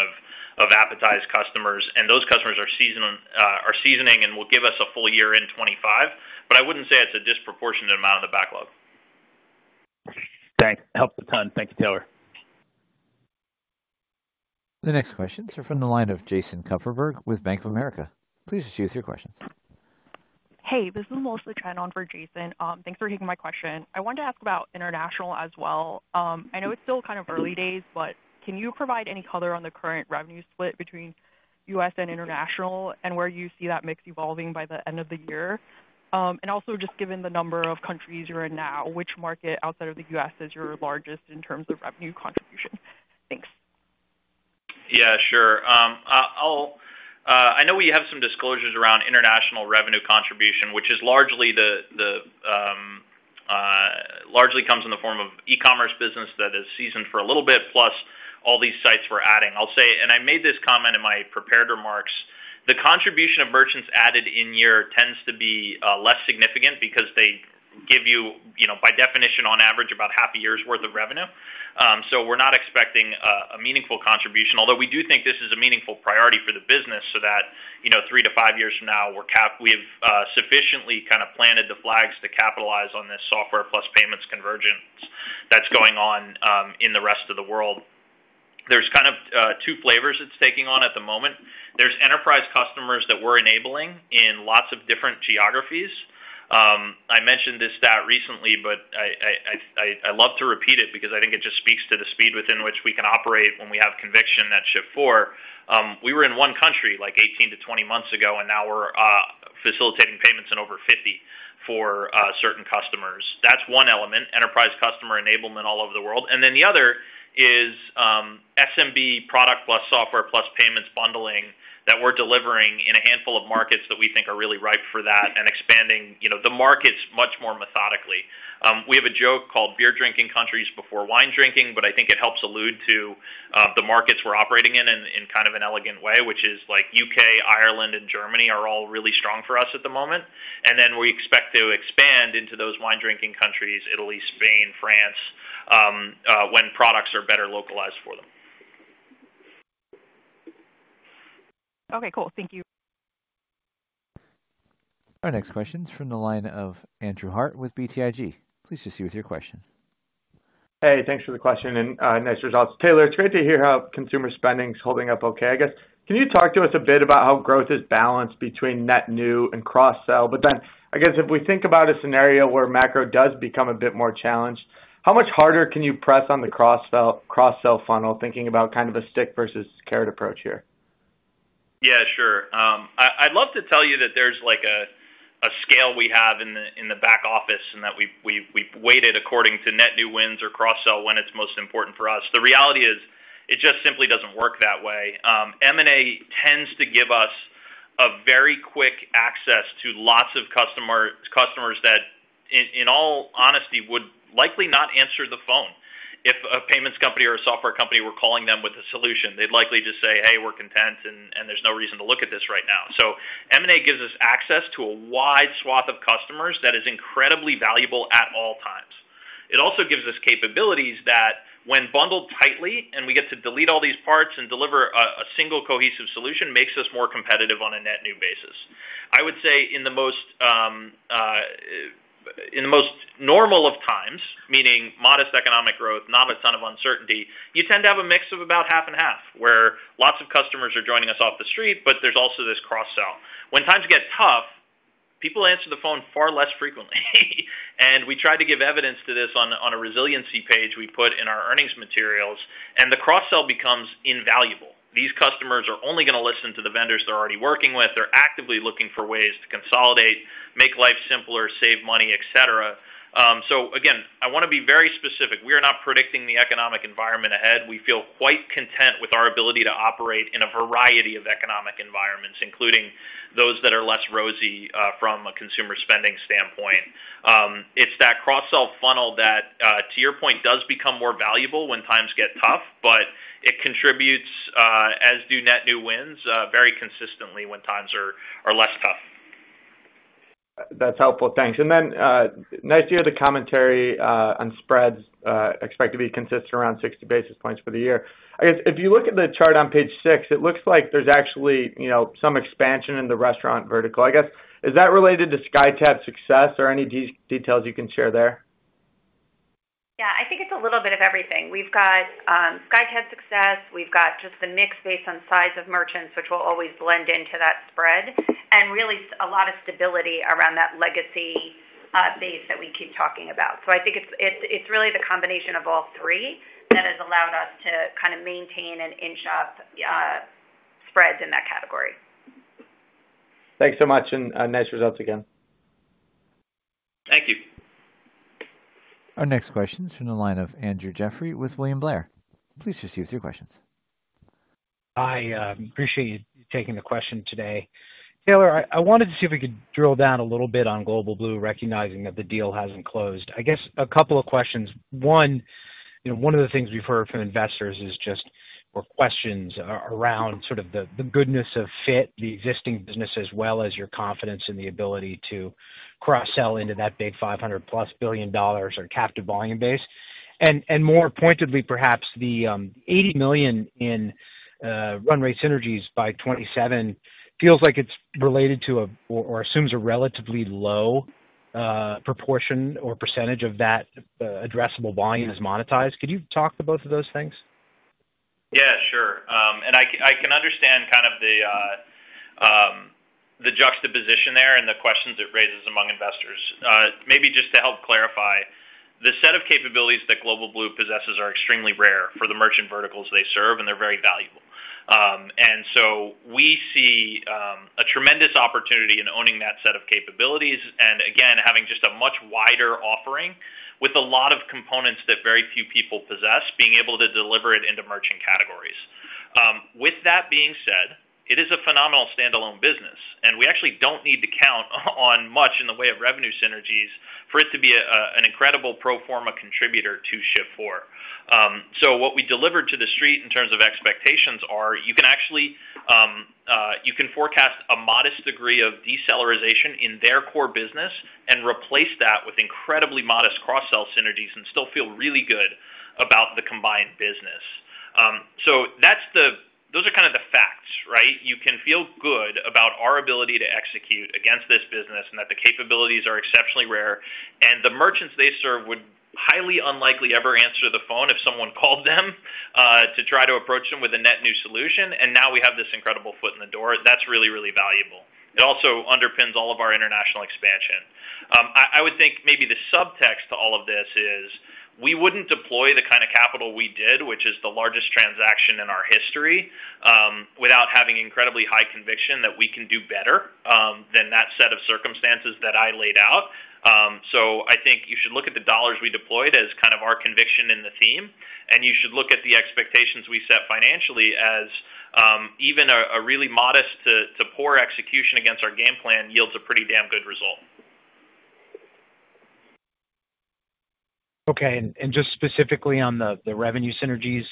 of appetized customers, and those customers are seasoning and will give us a full year in 2025. I wouldn't say it's a disproportionate amount in the backlog. Thanks. Helps a ton. Thank you, Taylor. The next questions are from the line of Jason Kupferberg with Bank of America. Please proceed with your questions. Hey, this is Tamika Mosley on for Jason. Thanks for taking my question. I wanted to ask about international as well. I know it's still kind of early days, but can you provide any color on the current revenue split between U.S. and international and where you see that mix evolving by the end of the year? Also, just given the number of countries you're in now, which market outside of the U.S. is your largest in terms of revenue contribution? Thanks. Yeah, sure. I know we have some disclosures around international revenue contribution, which largely comes in the form of e-commerce business that is seasoned for a little bit, plus all these sites we're adding. I made this comment in my prepared remarks. The contribution of merchants added in year tends to be less significant because they give you, by definition, on average, about half a year's worth of revenue. We're not expecting a meaningful contribution, although we do think this is a meaningful priority for the business so that three to five years from now, we've sufficiently kind of planted the flags to capitalize on this software plus payments convergence that's going on in the rest of the world. There's kind of two flavors it's taking on at the moment. There's enterprise customers that we're enabling in lots of different geographies. I mentioned this stat recently, but I love to repeat it because I think it just speaks to the speed within which we can operate when we have conviction that Shift4. We were in one country like 18 to 20 months ago, and now we're facilitating payments in over 50 for certain customers. That's one element, enterprise customer enablement all over the world. The other is SMB product plus software plus payments bundling that we're delivering in a handful of markets that we think are really ripe for that and expanding the markets much more methodically. We have a joke called beer drinking countries before wine drinking, but I think it helps allude to the markets we're operating in in kind of an elegant way, which is like U.K., Ireland, and Germany are all really strong for us at the moment. We expect to expand into those wine drinking countries, Italy, Spain, France, when products are better localized for them. Okay, cool. Thank you. Our next question is from the line of Andrew Hart with BTIG. Please proceed with your question. Hey, thanks for the question and nice results. Taylor, it's great to hear how consumer spending is holding up okay. I guess, can you talk to us a bit about how growth is balanced between net new and cross-sell? If we think about a scenario where macro does become a bit more challenged, how much harder can you press on the cross-sell funnel, thinking about kind of a stick versus carrot approach here? Yeah, sure. I'd love to tell you that there's a scale we have in the back office and that we've weighted according to net new wins or cross-sell when it's most important for us. The reality is it just simply doesn't work that way. M&A tends to give us a very quick access to lots of customers that, in all honesty, would likely not answer the phone if a payments company or a software company were calling them with a solution. They'd likely just say, "hey, we're content, and there's no reason to look at this right now." M&A gives us access to a wide swath of customers that is incredibly valuable at all times. It also gives us capabilities that, when bundled tightly and we get to delete all these parts and deliver a single cohesive solution, it makes us more competitive on a net new basis. I would say in the most normal of times, meaning modest economic growth, not a ton of uncertainty, you tend to have a mix of about half and half, where lots of customers are joining us off the street, but there's also this cross-sell. When times get tough, people answer the phone far less frequently. We tried to give evidence to this on a resiliency page we put in our earnings materials, and the cross-sell becomes invaluable. These customers are only going to listen to the vendors they're already working with. They're actively looking for ways to consolidate, make life simpler, save money, etc. Again, I want to be very specific. We are not predicting the economic environment ahead. We feel quite content with our ability to operate in a variety of economic environments, including those that are less rosy from a consumer spending standpoint. It's that cross-sell funnel that, to your point, does become more valuable when times get tough, but it contributes, as do net new wins, very consistently when times are less tough. That's helpful. Thanks. Nice to hear the commentary on spreads expected to be consistent around 60 basis points for the year. I guess if you look at the chart on page six, it looks like there's actually some expansion in the restaurant vertical. I guess, is that related to SkyTab success or any details you can share there? Yeah, I think it's a little bit of everything. We've got SkyTab success. We've got just the mix based on size of merchants, which will always blend into that spread, and really a lot of stability around that legacy base that we keep talking about. I think it's really the combination of all three that has allowed us to kind of maintain and inch up spreads in that category. Thanks so much and nice results again. Thank you. Our next question is from the line of Andrew Jeffrey with William Blair. Please proceed with your questions Hi, appreciate you taking the question today. Taylor, I wanted to see if we could drill down a little bit on Global Blue, recognizing that the deal hasn't closed. I guess a couple of questions. One, one of the things we've heard from investors is just questions around sort of the goodness of fit, the existing business, as well as your confidence in the ability to cross-sell into that big $500 billion-plus or captive volume base. More pointedly, perhaps the $80 million in by 2027 feels like it's related to or assumes a relatively low proportion or percentage of that addressable volume as monetized. Could you talk to both of those things? Yeah, sure. I can understand kind of the juxtaposition there and the questions it raises among investors. Maybe just to help clarify, the set of capabilities that Global Blue possesses are extremely rare for the merchant verticals they serve, and they're very valuable. We see a tremendous opportunity in owning that set of capabilities and, again, having just a much wider offering with a lot of components that very few people possess, being able to deliver it into merchant categories. With that being said, it is a phenomenal standalone business, and we actually do not need to count on much in the way of revenue synergies for it to be an incredible pro forma contributor to Shift4. What we delivered to the street in terms of expectations is you can actually forecast a modest degree of decelerization in their core business and replace that with incredibly modest cross-sell synergies and still feel really good about the combined business. Those are kind of the facts, right? You can feel good about our ability to execute against this business and that the capabilities are exceptionally rare. The merchants they serve would highly unlikely ever answer the phone if someone called them to try to approach them with a net new solution. Now we have this incredible foot in the door. That is really, really valuable. It also underpins all of our international expansion. I would think maybe the subtext to all of this is we would not deploy the kind of capital we did, which is the largest transaction in our history, without having incredibly high conviction that we can do better than that set of circumstances that I laid out. I think you should look at the dollars we deployed as kind of our conviction in the theme, and you should look at the expectations we set financially as even a really modest to poor execution against our game plan yields a pretty damn good result. Okay. Just specifically on the revenue synergies,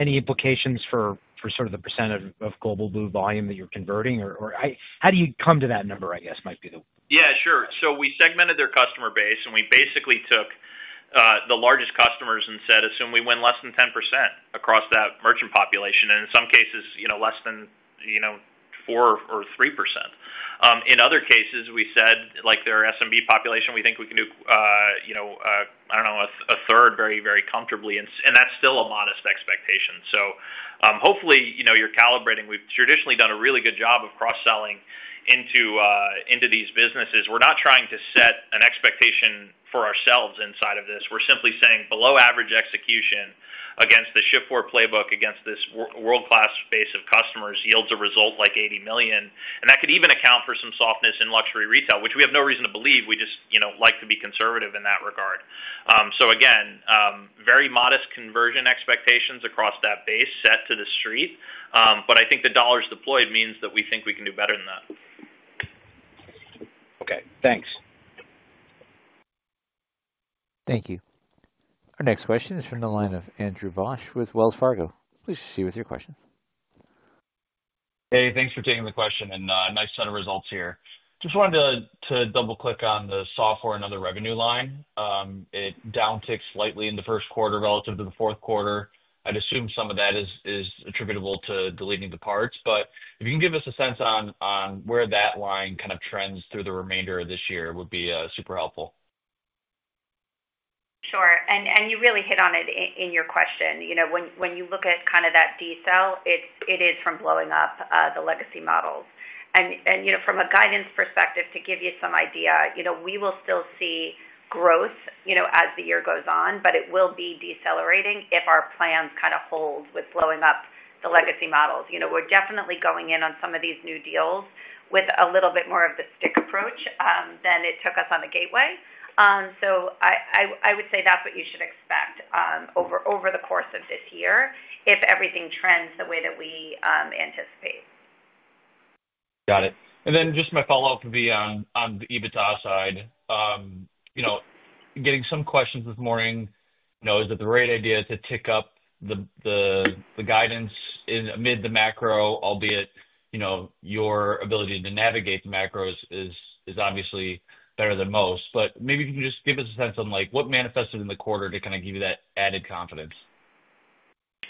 any implications for sort of the percent of Global Blue volume that you're convertin or how do you come to that number, I guess, might be the question? Yeah, sure. We segmented their customer base, and we basically took the largest customers and said, "assume we win less than 10% across that merchant population," and in some cases, less than 4% or 3%. In other cases, we said, "like their SMB population, we think we can do, I don't know, a third very, very comfortably." That's still a modest expectation. Hopefully you're calibrating. We've traditionally done a really good job of cross-selling into these businesses. We're not trying to set an expectation for ourselves inside of this. We're simply saying below average execution against the Shift4 playbook, against this world-class base of customers, yields a result like $80 million. That could even account for some softness in luxury retail, which we have no reason to believe. We just like to be conservative in that regard. Again, very modest conversion expectations across that base set to the street. I think the dollars deployed means that we think we can do better than that. Okay. Thanks. Thank you. Our next question is from the line of Andrew Bosch with Wells Fargo. Please proceed with your question. Hey, thanks for taking the question. Nice set of results here. Just wanted to double-click on the software and other revenue line. It downticked slightly in the first quarter relative to the fourth quarter. I'd assume some of that is attributable to deleting the parts. If you can give us a sense on where that line kind of trends through the remainder of this year, it would be super helpful. Sure. You really hit on it in your question. When you look at kind of that decel, it is from blowing up the legacy models. From a guidance perspective, to give you some idea, we will still see growth as the year goes on, but it will be decelerating if our plans kind of hold with blowing up the legacy models. We're definitely going in on some of these new deals with a little bit more of the stick approach than it took us on the gateway. I would say that's what you should expect over the course of this year if everything trends the way that we anticipate. Got it. My follow-up would be on the EBITDA side. Getting some questions this morning, is it the right idea to tick up the guidance amid the macro, albeit your ability to navigate the macros is obviously better than most. Maybe if you can just give us a sense on what manifested in the quarter to kind of give you that added confidence.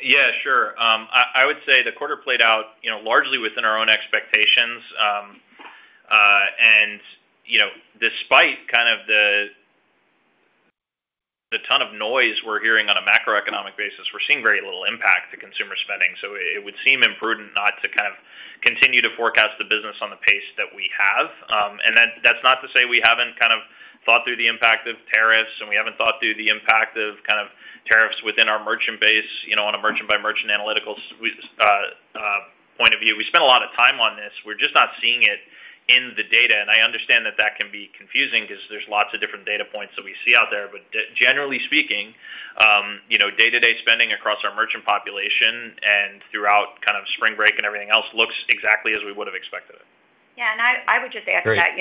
Yeah, sure. I would say the quarter played out largely within our own expectations. Despite kind of the ton of noise we're hearing on a macroeconomic basis, we're seeing very little impact to consumer spending. It would seem imprudent not to kind of continue to forecast the business on the pace that we have. That's not to say we haven't kind of thought through the impact of tariffs, and we haven't thought through the impact of kind of tariffs within our merchant base on a merchant-by-merchant analytical point of view. We spent a lot of time on this. We're just not seeing it in the data. I understand that that can be confusing because there's lots of different data points that we see out there. Generally speaking, day-to-day spending across our merchant population and throughout kind of spring break and everything else looks exactly as we would have expected it. Yeah. I would just add to that.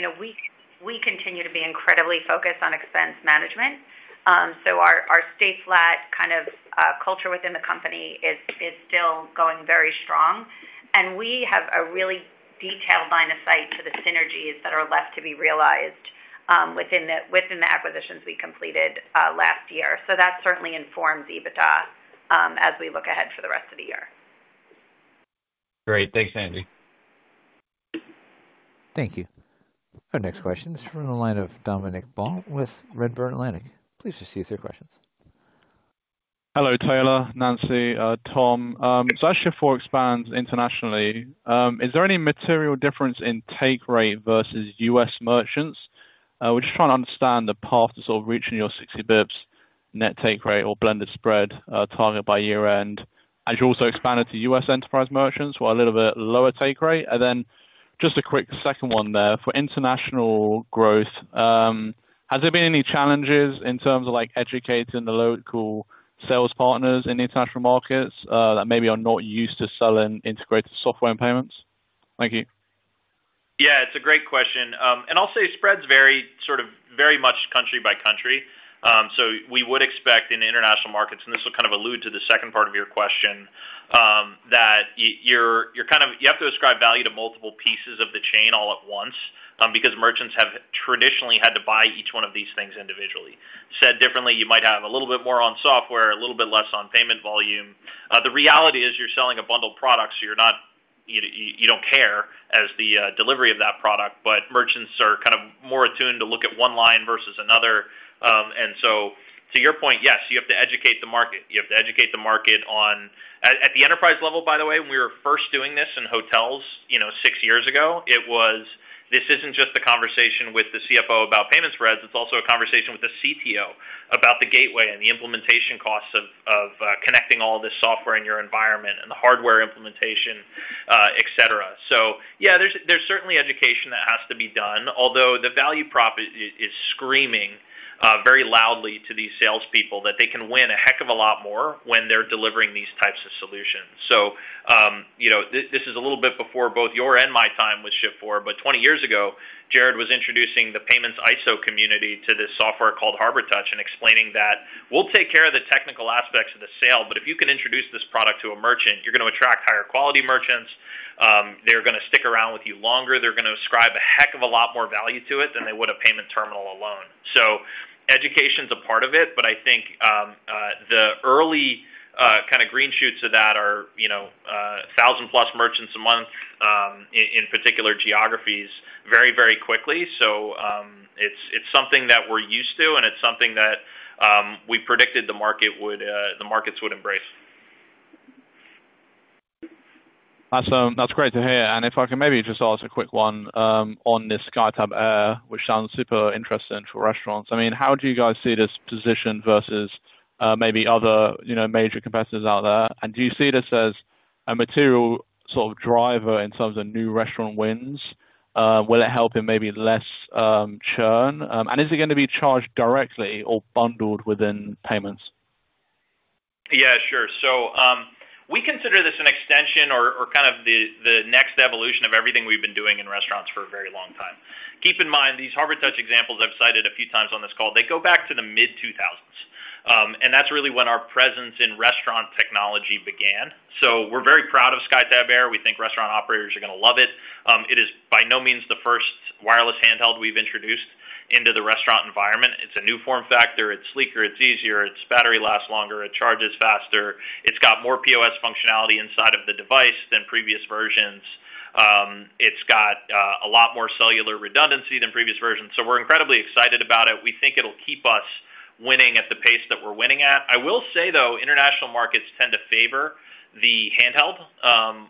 We continue to be incredibly focused on expense management. Our state-flat kind of culture within the company is still going very strong. We have a really detailed line of sight to the synergies that are left to be realized within the acquisitions we completed last year. That certainly informs EBITDA as we look ahead for the rest of the year. Great. Thanks, Nancy. Thank you. Our next question is from the line of Dominic Ball with Redburn Atlantic. Please proceed with your questions. Hello, Taylor, Nancy, Tom. As Shift4 expands internationally, is there any material difference in take rate versus U.S. merchants? We're just trying to understand the path to sort of reaching your 60 basis points net take rate or blended spread target by year-end. As you also expanded to US enterprise merchants for a little bit lower take rate. A quick second one there for international growth. Has there been any challenges in terms of educating the local sales partners in international markets that maybe are not used to selling integrated software and payments? Thank you. Yeah, it's a great question. I'll say spreads vary sort of very much country by country. We would expect in international markets, and this will kind of allude to the second part of your question, that you kind of have to ascribe value to multiple pieces of the chain all at once because merchants have traditionally had to buy each one of these things individually. Said differently, you might have a little bit more on software, a little bit less on payment volume. The reality is you're selling a bundled product, so you don't care as the delivery of that product. Merchants are kind of more attuned to look at one line versus another. To your point, yes, you have to educate the market. You have to educate the market on at the enterprise level, by the way, when we were first doing this in hotels six years ago, it was, "this isn't just the conversation with the CFO about payment spreads. It's also a conversation with the CTO about the gateway and the implementation costs of connecting all this software in your environment and the hardware implementation," etc. Yeah, there's certainly education that has to be done, although the value prop is screaming very loudly to these salespeople that they can win a heck of a lot more when they're delivering these types of solutions. This is a little bit before both your and my time with Shift4. Twenty years ago, Jared was introducing the payments ISO community to this software called HarborTouch and explaining that, "we'll take care of the technical aspects of the sale, but if you can introduce this product to a merchant, you're going to attract higher quality merchants. They're going to stick around with you longer. They're going to ascribe a heck of a lot more value to it than they would a payment terminal alone." Education is a part of it, but I think the early kind of green shoots of that are 1,000-plus merchants a month in particular geographies very, very quickly. It is something that we're used to, and it's something that we predicted the markets would embrace. Awesome. That's great to hear. If I can maybe just ask a quick one on this SkyTab Air, which sounds super interesting for restaurants. I mean, how do you guys see this position versus maybe other major competitors out there? Do you see this as a material sort of driver in terms of new restaurant wins? Will it help in maybe less churn? Is it going to be charged directly or bundled within payments? Yeah, sure. We consider this an extension or kind of the next evolution of everything we've been doing in restaurants for a very long time. Keep in mind, these HarborTouch examples I've cited a few times on this call, they go back to the mid-2000s. That is really when our presence in restaurant technology began. We are very proud of SkyTab Air. We think restaurant operators are going to love it. It is by no means the first wireless handheld we've introduced into the restaurant environment. It's a new form factor. It's sleeker. It's easier. Its battery lasts longer. It charges faster. It's got more POS functionality inside of the device than previous versions. It's got a lot more cellular redundancy than previous versions. We are incredibly excited about it. We think it'll keep us winning at the pace that we're winning at. I will say, though, international markets tend to favor the handheld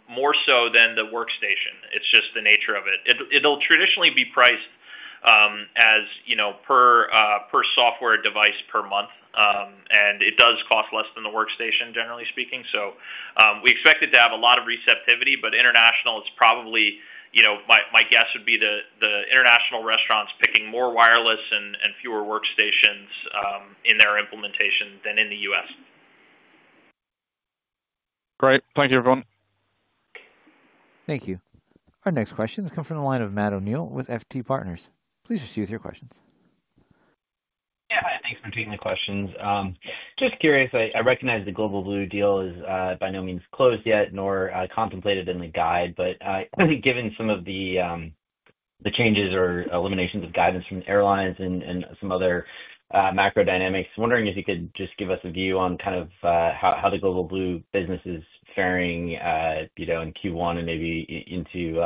more so than the workstation. It's just the nature of it. It'll traditionally be priced as per software device per month, and it does cost less than the workstation, generally speaking. We expect it to have a lot of receptivity, but international is probably, my guess would be, the international restaurants picking more wireless and fewer workstations in their implementation than in the U.S. Great. Thank you, everyone. Thank you. Our next questions come from the line of Matt O'Neill with FT Partners. Please proceed with your questions. Yeah. Hi. Thanks for taking the questions. Just curious, I recognize the Global Blue deal is by no means closed yet nor contemplated in the guide. Given some of the changes or eliminations of guidance from the airlines and some other macro dynamics, wondering if you could just give us a view on kind of how the Global Blue business is faring in Q1 and maybe into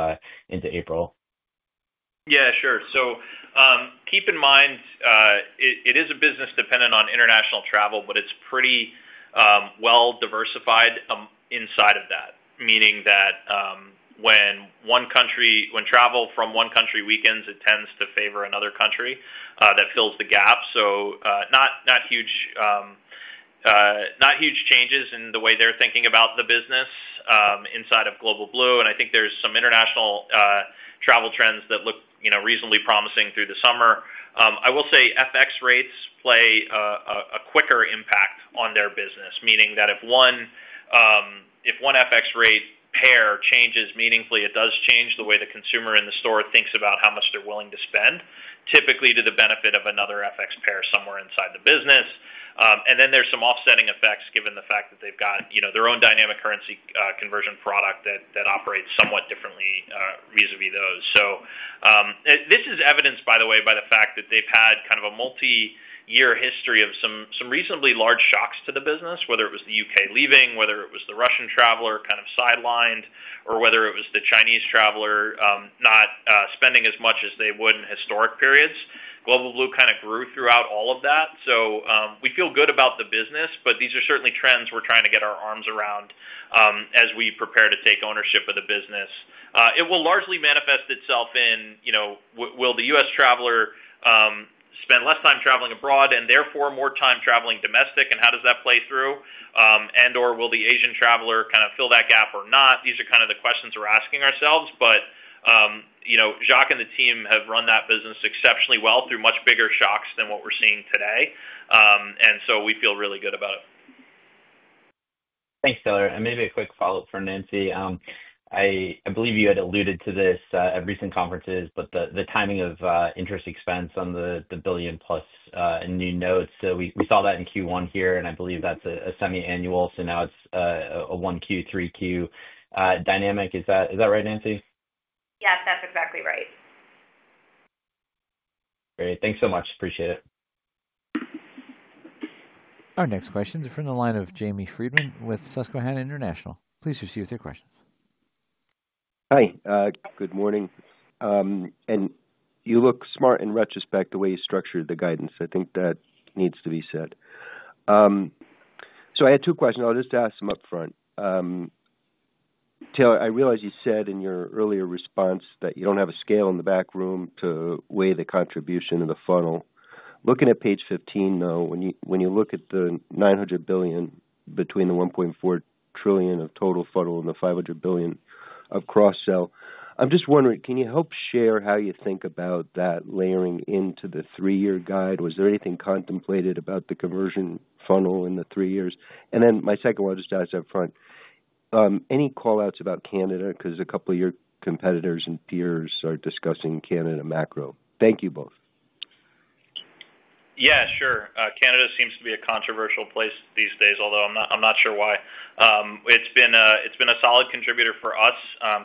April. Yeah, sure. Keep in mind, it is a business dependent on international travel, but it's pretty well-diversified inside of that. Meaning that when travel from one country weakens, it tends to favor another country that fills the gap. Not huge changes in the way they're thinking about the business inside of Global Blue. I think there's some international travel trends that look reasonably promising through the summer. I will say FX rates play a quicker impact on their business. Meaning that if one FX rate pair changes meaningfully, it does change the way the consumer in the store thinks about how much they're willing to spend, typically to the benefit of another FX pair somewhere inside the business. There are some offsetting effects given the fact that they've got their own dynamic currency conversion product that operates somewhat differently vis-à-vis those. This is evidenced, by the way, by the fact that they've had kind of a multi-year history of some reasonably large shocks to the business, whether it was the U.K. leaving, whether it was the Russian traveler kind of sidelined, or whether it was the Chinese traveler not spending as much as they would in historic periods. Global Blue kind of grew throughout all of that. We feel good about the business, but these are certainly trends we're trying to get our arms around as we prepare to take ownership of the business. It will largely manifest itself in, will the U.S. traveler spend less time traveling abroad and therefore more time traveling domestic, and how does that play through and/or will the Asian traveler kind of fill that gap or not? These are kind of the questions we're asking ourselves. Jacques and the team have run that business exceptionally well through much bigger shocks than what we're seeing today. We feel really good about it. Thanks, Taylor. Maybe a quick follow-up for Nancy. I believe you had alluded to this at recent conferences, but the timing of interest expense on the billion-plus new notes. We saw that in Q1 here, and I believe that's a semi-annual. Now it's a one-Q, three-Q dynamic. Is that right, Nancy? Yes, that's exactly right. Great. Thanks so much. Appreciate it. Our next questions are from the line of Jamie Friedman with Susquehanna International Group. Please proceed with your questions. Hi. Good morning. You look smart in retrospect the way you structured the guidance. I think that needs to be said. I had two questions. I'll just ask them upfront. Taylor, I realize you said in your earlier response that you don't have a scale in the back room to weigh the contribution of the funnel. Looking at page 15, though, when you look at the $900 billion between the $1.4 trillion of total funnel and the $500 billion of cross-sell, I'm just wondering, can you help share how you think about that layering into the three-year guide? Was there anything contemplated about the conversion funnel in the three years? And then my second one just asked upfront, any callouts about Canada? Because a couple of your competitors and peers are discussing Canada macro. Thank you both. Yeah, sure. Canada seems to be a controversial place these days, although I'm not sure why. It's been a solid contributor for us.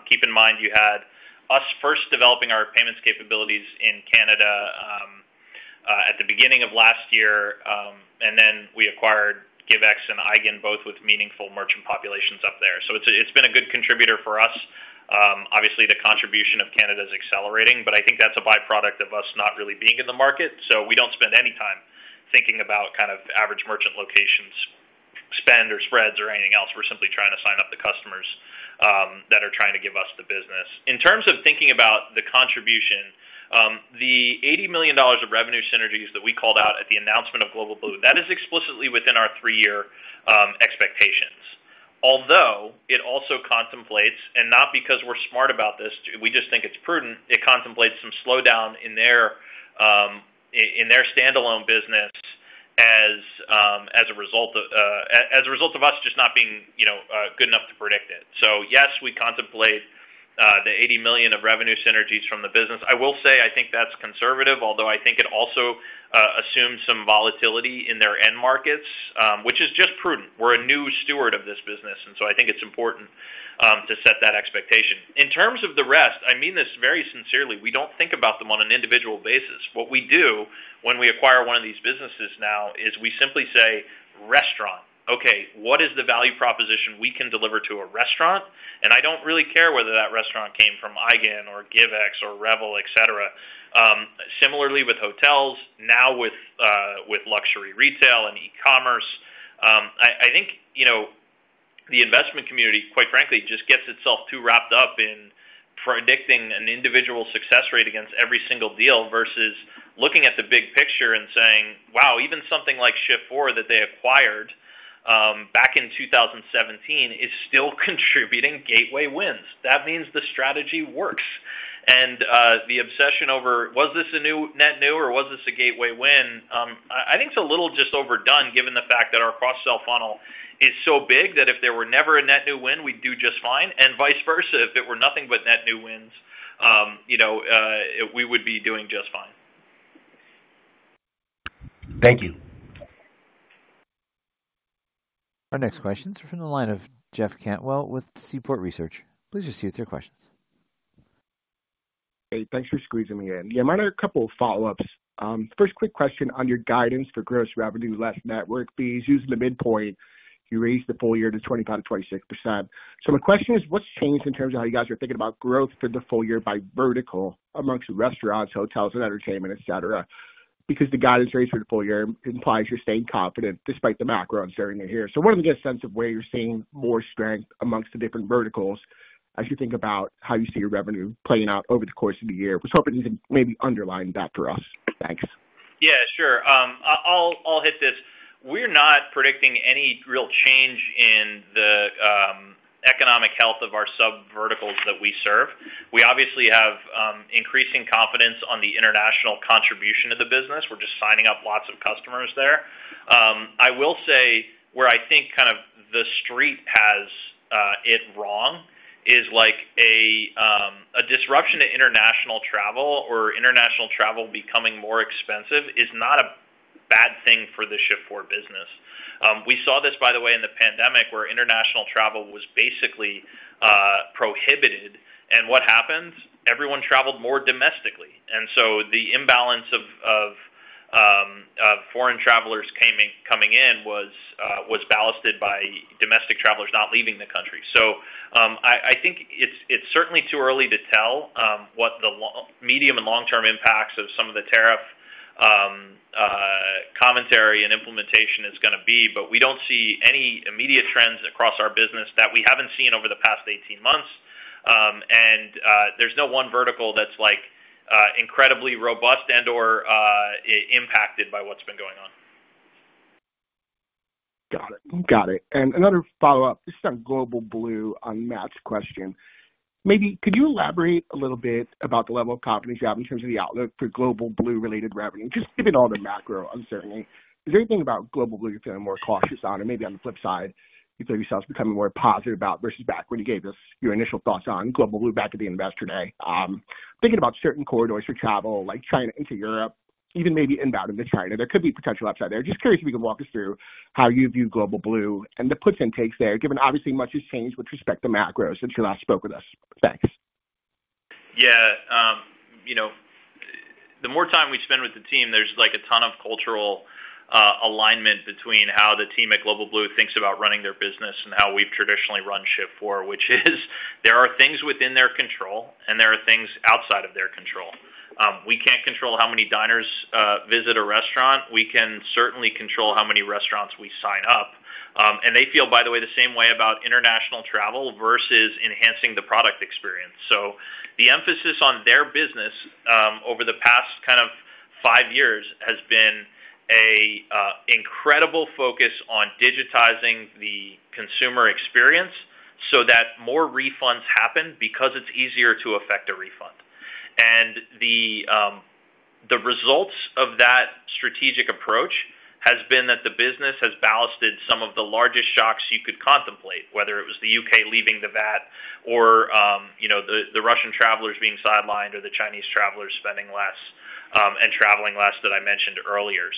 Keep in mind, you had us first developing our payments capabilities in Canada at the beginning of last year, and then we acquired GiveX and Eigen, both with meaningful merchant populations up there. It's been a good contributor for us. Obviously, the contribution of Canada is accelerating, but I think that's a byproduct of us not really being in the market. We don't spend any time thinking about kind of average merchant locations, spend, or spreads, or anything else. We're simply trying to sign up the customers that are trying to give us the business. In terms of thinking about the contribution, the $80 million of revenue synergies that we called out at the announcement of Global Blue, that is explicitly within our three-year expectations. Although it also contemplates, and not because we're smart about this, we just think it's prudent, it contemplates some slowdown in their standalone business as a result of us just not being good enough to predict it. Yes, we contemplate the $80 million of revenue synergies from the business. I will say I think that's conservative, although I think it also assumes some volatility in their end markets, which is just prudent. We're a new steward of this business, and I think it's important to set that expectation. In terms of the rest, I mean this very sincerely, we do not think about them on an individual basis. What we do when we acquire one of these businesses now is we simply say, "Restaurant, okay, what is the value proposition we can deliver to a restaurant?" And I do not really care whether that restaurant came from Eigen or GiveX or Revel, etc. Similarly with hotels, now with luxury retail and e-commerce, I think the investment community, quite frankly, just gets itself too wrapped up in predicting an individual success rate against every single deal versus looking at the big picture and saying, "wow, even something like Shift4 that they acquired back in 2017 is still contributing gateway wins." That means the strategy works. The obsession over, "was this a net new or was this a gateway win?" I think it's a little just overdone given the fact that our cross-sell funnel is so big that if there were never a net new win, we'd do just fine and vice versa, if it were nothing but net new wins, we would be doing just fine. Thank you. Our next questions are from the line of Jeff Cantwell with Seaport Research. Please proceed with your questions. Hey, thanks for squeezing me in. Yeah, my other couple of follow-ups. First quick question on your guidance for gross revenue less network fees using the midpoint, you raised the full year to 25% to 26%. My question is, what's changed in terms of how you guys are thinking about growth for the full year by vertical amongst restaurants, hotels, and entertainment, etc.? Because the guidance rates for the full year implies you're staying confident despite the macro uncertainty here. What are the guess sense of where you're seeing more strength amongst the different verticals as you think about how you see your revenue playing out over the course of the year? Just hoping you can maybe underline that for us. Thanks. Yeah, sure. I'll hit this. We're not predicting any real change in the economic health of our subverticals that we serve. We obviously have increasing confidence on the international contribution of the business. We're just signing up lots of customers there. I will say where I think kind of the street has it wrong is a disruption to international travel or international travel becoming more expensive is not a bad thing for the Shift4 business. We saw this, by the way, in the pandemic where international travel was basically prohibited. What happened? Everyone traveled more domestically. The imbalance of foreign travelers coming in was ballasted by domestic travelers not leaving the country. I think it's certainly too early to tell what the medium and long-term impacts of some of the tariff commentary and implementation is going to be, but we do not see any immediate trends across our business that we have not seen over the past 18 months. There is no one vertical that is incredibly robust and/or impacted by what has been going on. Got it. Got it. Another follow-up, this is on Global Blue on Matt's question. Maybe could you elaborate a little bit about the level of confidence you have in terms of the outlook for Global Blue-related revenue? Just given all the macro uncertainty, is there anything about Global Blue you are feeling more cautious on? Maybe on the flip side, you feel yourself becoming more positive about versus back when you gave us your initial thoughts on Global Blue back at the end of yesterday? Thinking about certain corridors for travel, like China into Europe, even maybe inbound into China, there could be potential upside there. Just curious if you could walk us through how you view Global Blue and the puts and takes there, given obviously much has changed with respect to macro since you last spoke with us. Thanks. Yeah. The more time we spend with the team, there's a ton of cultural alignment between how the team at Global Blue thinks about running their business and how we've traditionally run Shift4, which is there are things within their control and there are things outside of their control. We can't control how many diners visit a restaurant. We can certainly control how many restaurants we sign up. They feel, by the way, the same way about international travel versus enhancing the product experience. The emphasis on their business over the past kind of five years has been an incredible focus on digitizing the consumer experience so that more refunds happen because it is easier to affect a refund. The results of that strategic approach have been that the business has ballasted some of the largest shocks you could contemplate, whether it was the U.K. leaving the VAT or the Russian travelers being sidelined or the Chinese travelers spending less and traveling less that I mentioned earlier.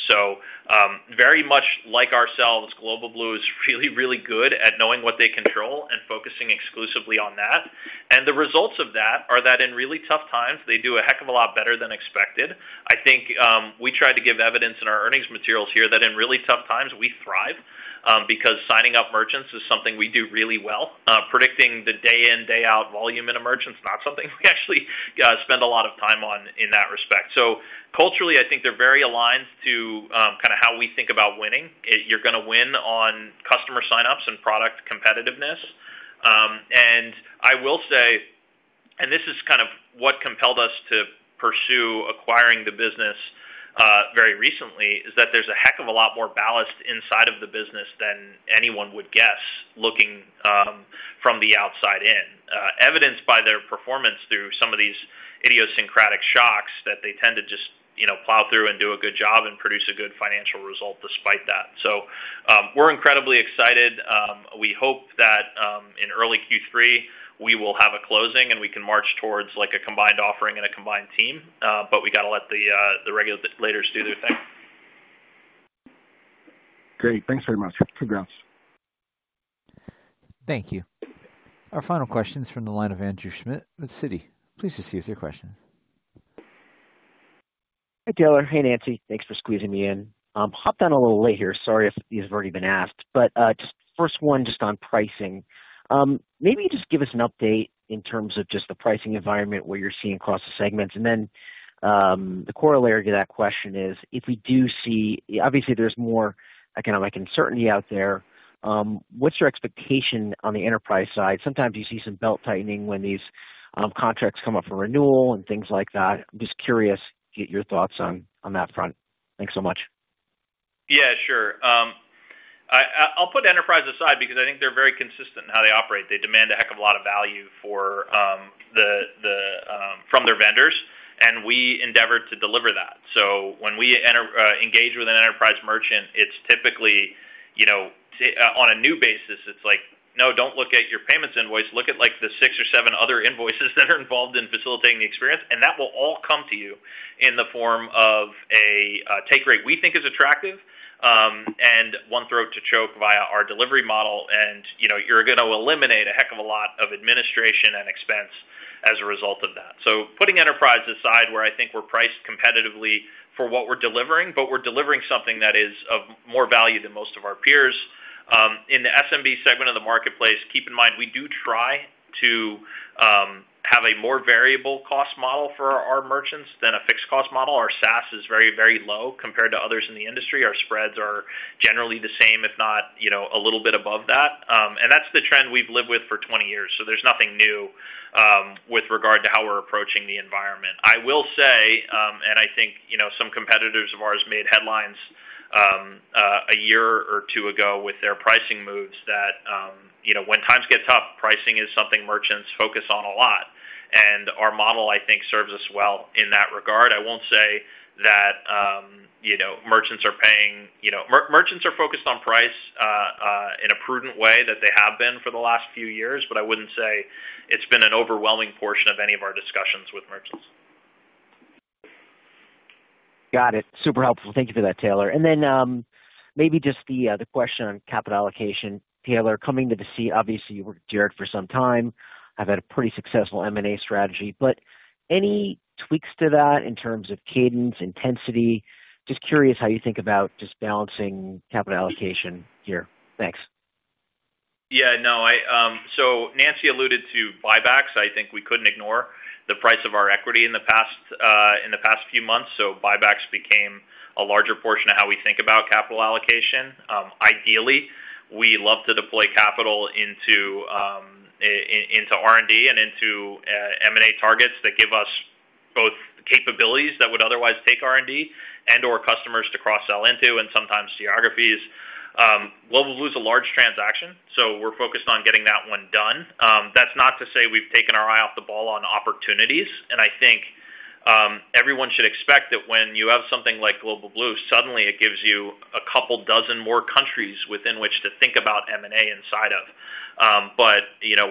Very much like ourselves, Global Blue is really, really good at knowing what they control and focusing exclusively on that. The results of that are that in really tough times, they do a heck of a lot better than expected. I think we tried to give evidence in our earnings materials here that in really tough times, we thrive because signing up merchants is something we do really well. Predicting the day-in, day-out volume in a merchant is not something we actually spend a lot of time on in that respect. Culturally, I think they're very aligned to kind of how we think about winning. You're going to win on customer signups and product competitiveness. I will say, and this is kind of what compelled us to pursue acquiring the business very recently, is that there's a heck of a lot more ballast inside of the business than anyone would guess looking from the outside in. Evidenced by their performance through some of these idiosyncratic shocks that they tend to just plow through and do a good job and produce a good financial result despite that. We are incredibly excited. We hope that in early Q3, we will have a closing and we can march towards a combined offering and a combined team, but we have to let the regulators do their thing. Great. Thanks very much. Congrats. Thank you. Our final question is from the line of Andrew Schmidt with Citi. Please proceed with your questions. Hi, Taylor. Hey, Nancy. Thanks for squeezing me in. Hopped on a little late here, sorry if these have already been asked. First one, just on pricing. Maybe just give us an update in terms of just the pricing environment where you are seeing across the segments. The corollary to that question is, if we do see obviously there's more economic uncertainty out there, what's your expectation on the enterprise side? Sometimes you see some belt tightening when these contracts come up for renewal and things like that. I'm just curious to get your thoughts on that front. Thanks so much. Yeah, sure. I'll put enterprise aside because I think they're very consistent in how they operate. They demand a heck of a lot of value from their vendors, and we endeavor to deliver that. When we engage with an enterprise merchant, it's typically on a new basis, it's like, no, don't look at your payments invoice. Look at the six or seven other invoices that are involved in facilitating the experience, and that will all come to you in the form of a take rate we think is attractive and one throat to choke via our delivery model, and you're going to eliminate a heck of a lot of administration and expense as a result of that. Putting enterprise aside where I think we're priced competitively for what we're delivering, but we're delivering something that is of more value than most of our peers. In the SMB segment of the marketplace, keep in mind we do try to have a more variable cost model for our merchants than a fixed cost model. Our SaaS is very, very low compared to others in the industry. Our spreads are generally the same, if not a little bit above that. That is the trend we have lived with for 20 years. There is nothing new with regard to how we are approaching the environment. I will say, and I think some competitors of ours made headlines a year or two ago with their pricing moves, that when times get tough, pricing is something merchants focus on a lot. Our model, I think, serves us well in that regard. I will not say that merchants are paying, merchants are focused on price in a prudent way that they have been for the last few years, but I would not say it has been an overwhelming portion of any of our discussions with merchants. Got it. Super helpful. Thank you for that, Taylor. Maybe just the question on capital allocation. Taylor, coming to the seat, obviously you worked with Jared for some time. You have had a pretty successful M&A strategy. Any tweaks to that in terms of cadence, intensity? Just curious how you think about just balancing capital allocation here. Thanks. Yeah. No. Nancy alluded to buybacks. I think we could not ignore the price of our equity in the past few months. Buybacks became a larger portion of how we think about capital allocation. Ideally, we love to deploy capital into R&D and into M&A targets that give us both capabilities that would otherwise take R&D and/or customers to cross-sell into and sometimes geographies. Global Blue is a large transaction, so we are focused on getting that one done. That is not to say we have taken our eye off the ball on opportunities. I think everyone should expect that when you have something like Global Blue, suddenly it gives you a couple dozen more countries within which to think about M&A inside of.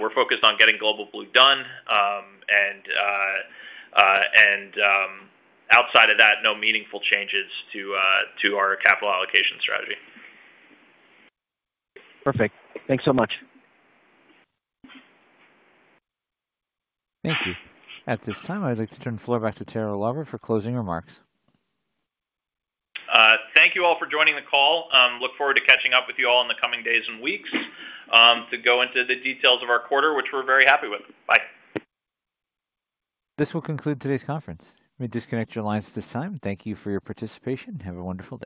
We're focused on getting Global Blue done, and outside of that, no meaningful changes to our capital allocation strategy. Perfect. Thanks so much. Thank you. At this time, I'd like to turn the floor back to Taylor Lauber for closing remarks. Thank you all for joining the call. Look forward to catching up with you all in the coming days and weeks to go into the details of our quarter, which we're very happy with. Bye. This will conclude today's conference. We disconnect your lines at this time. Thank you for your participation. Have a wonderful day.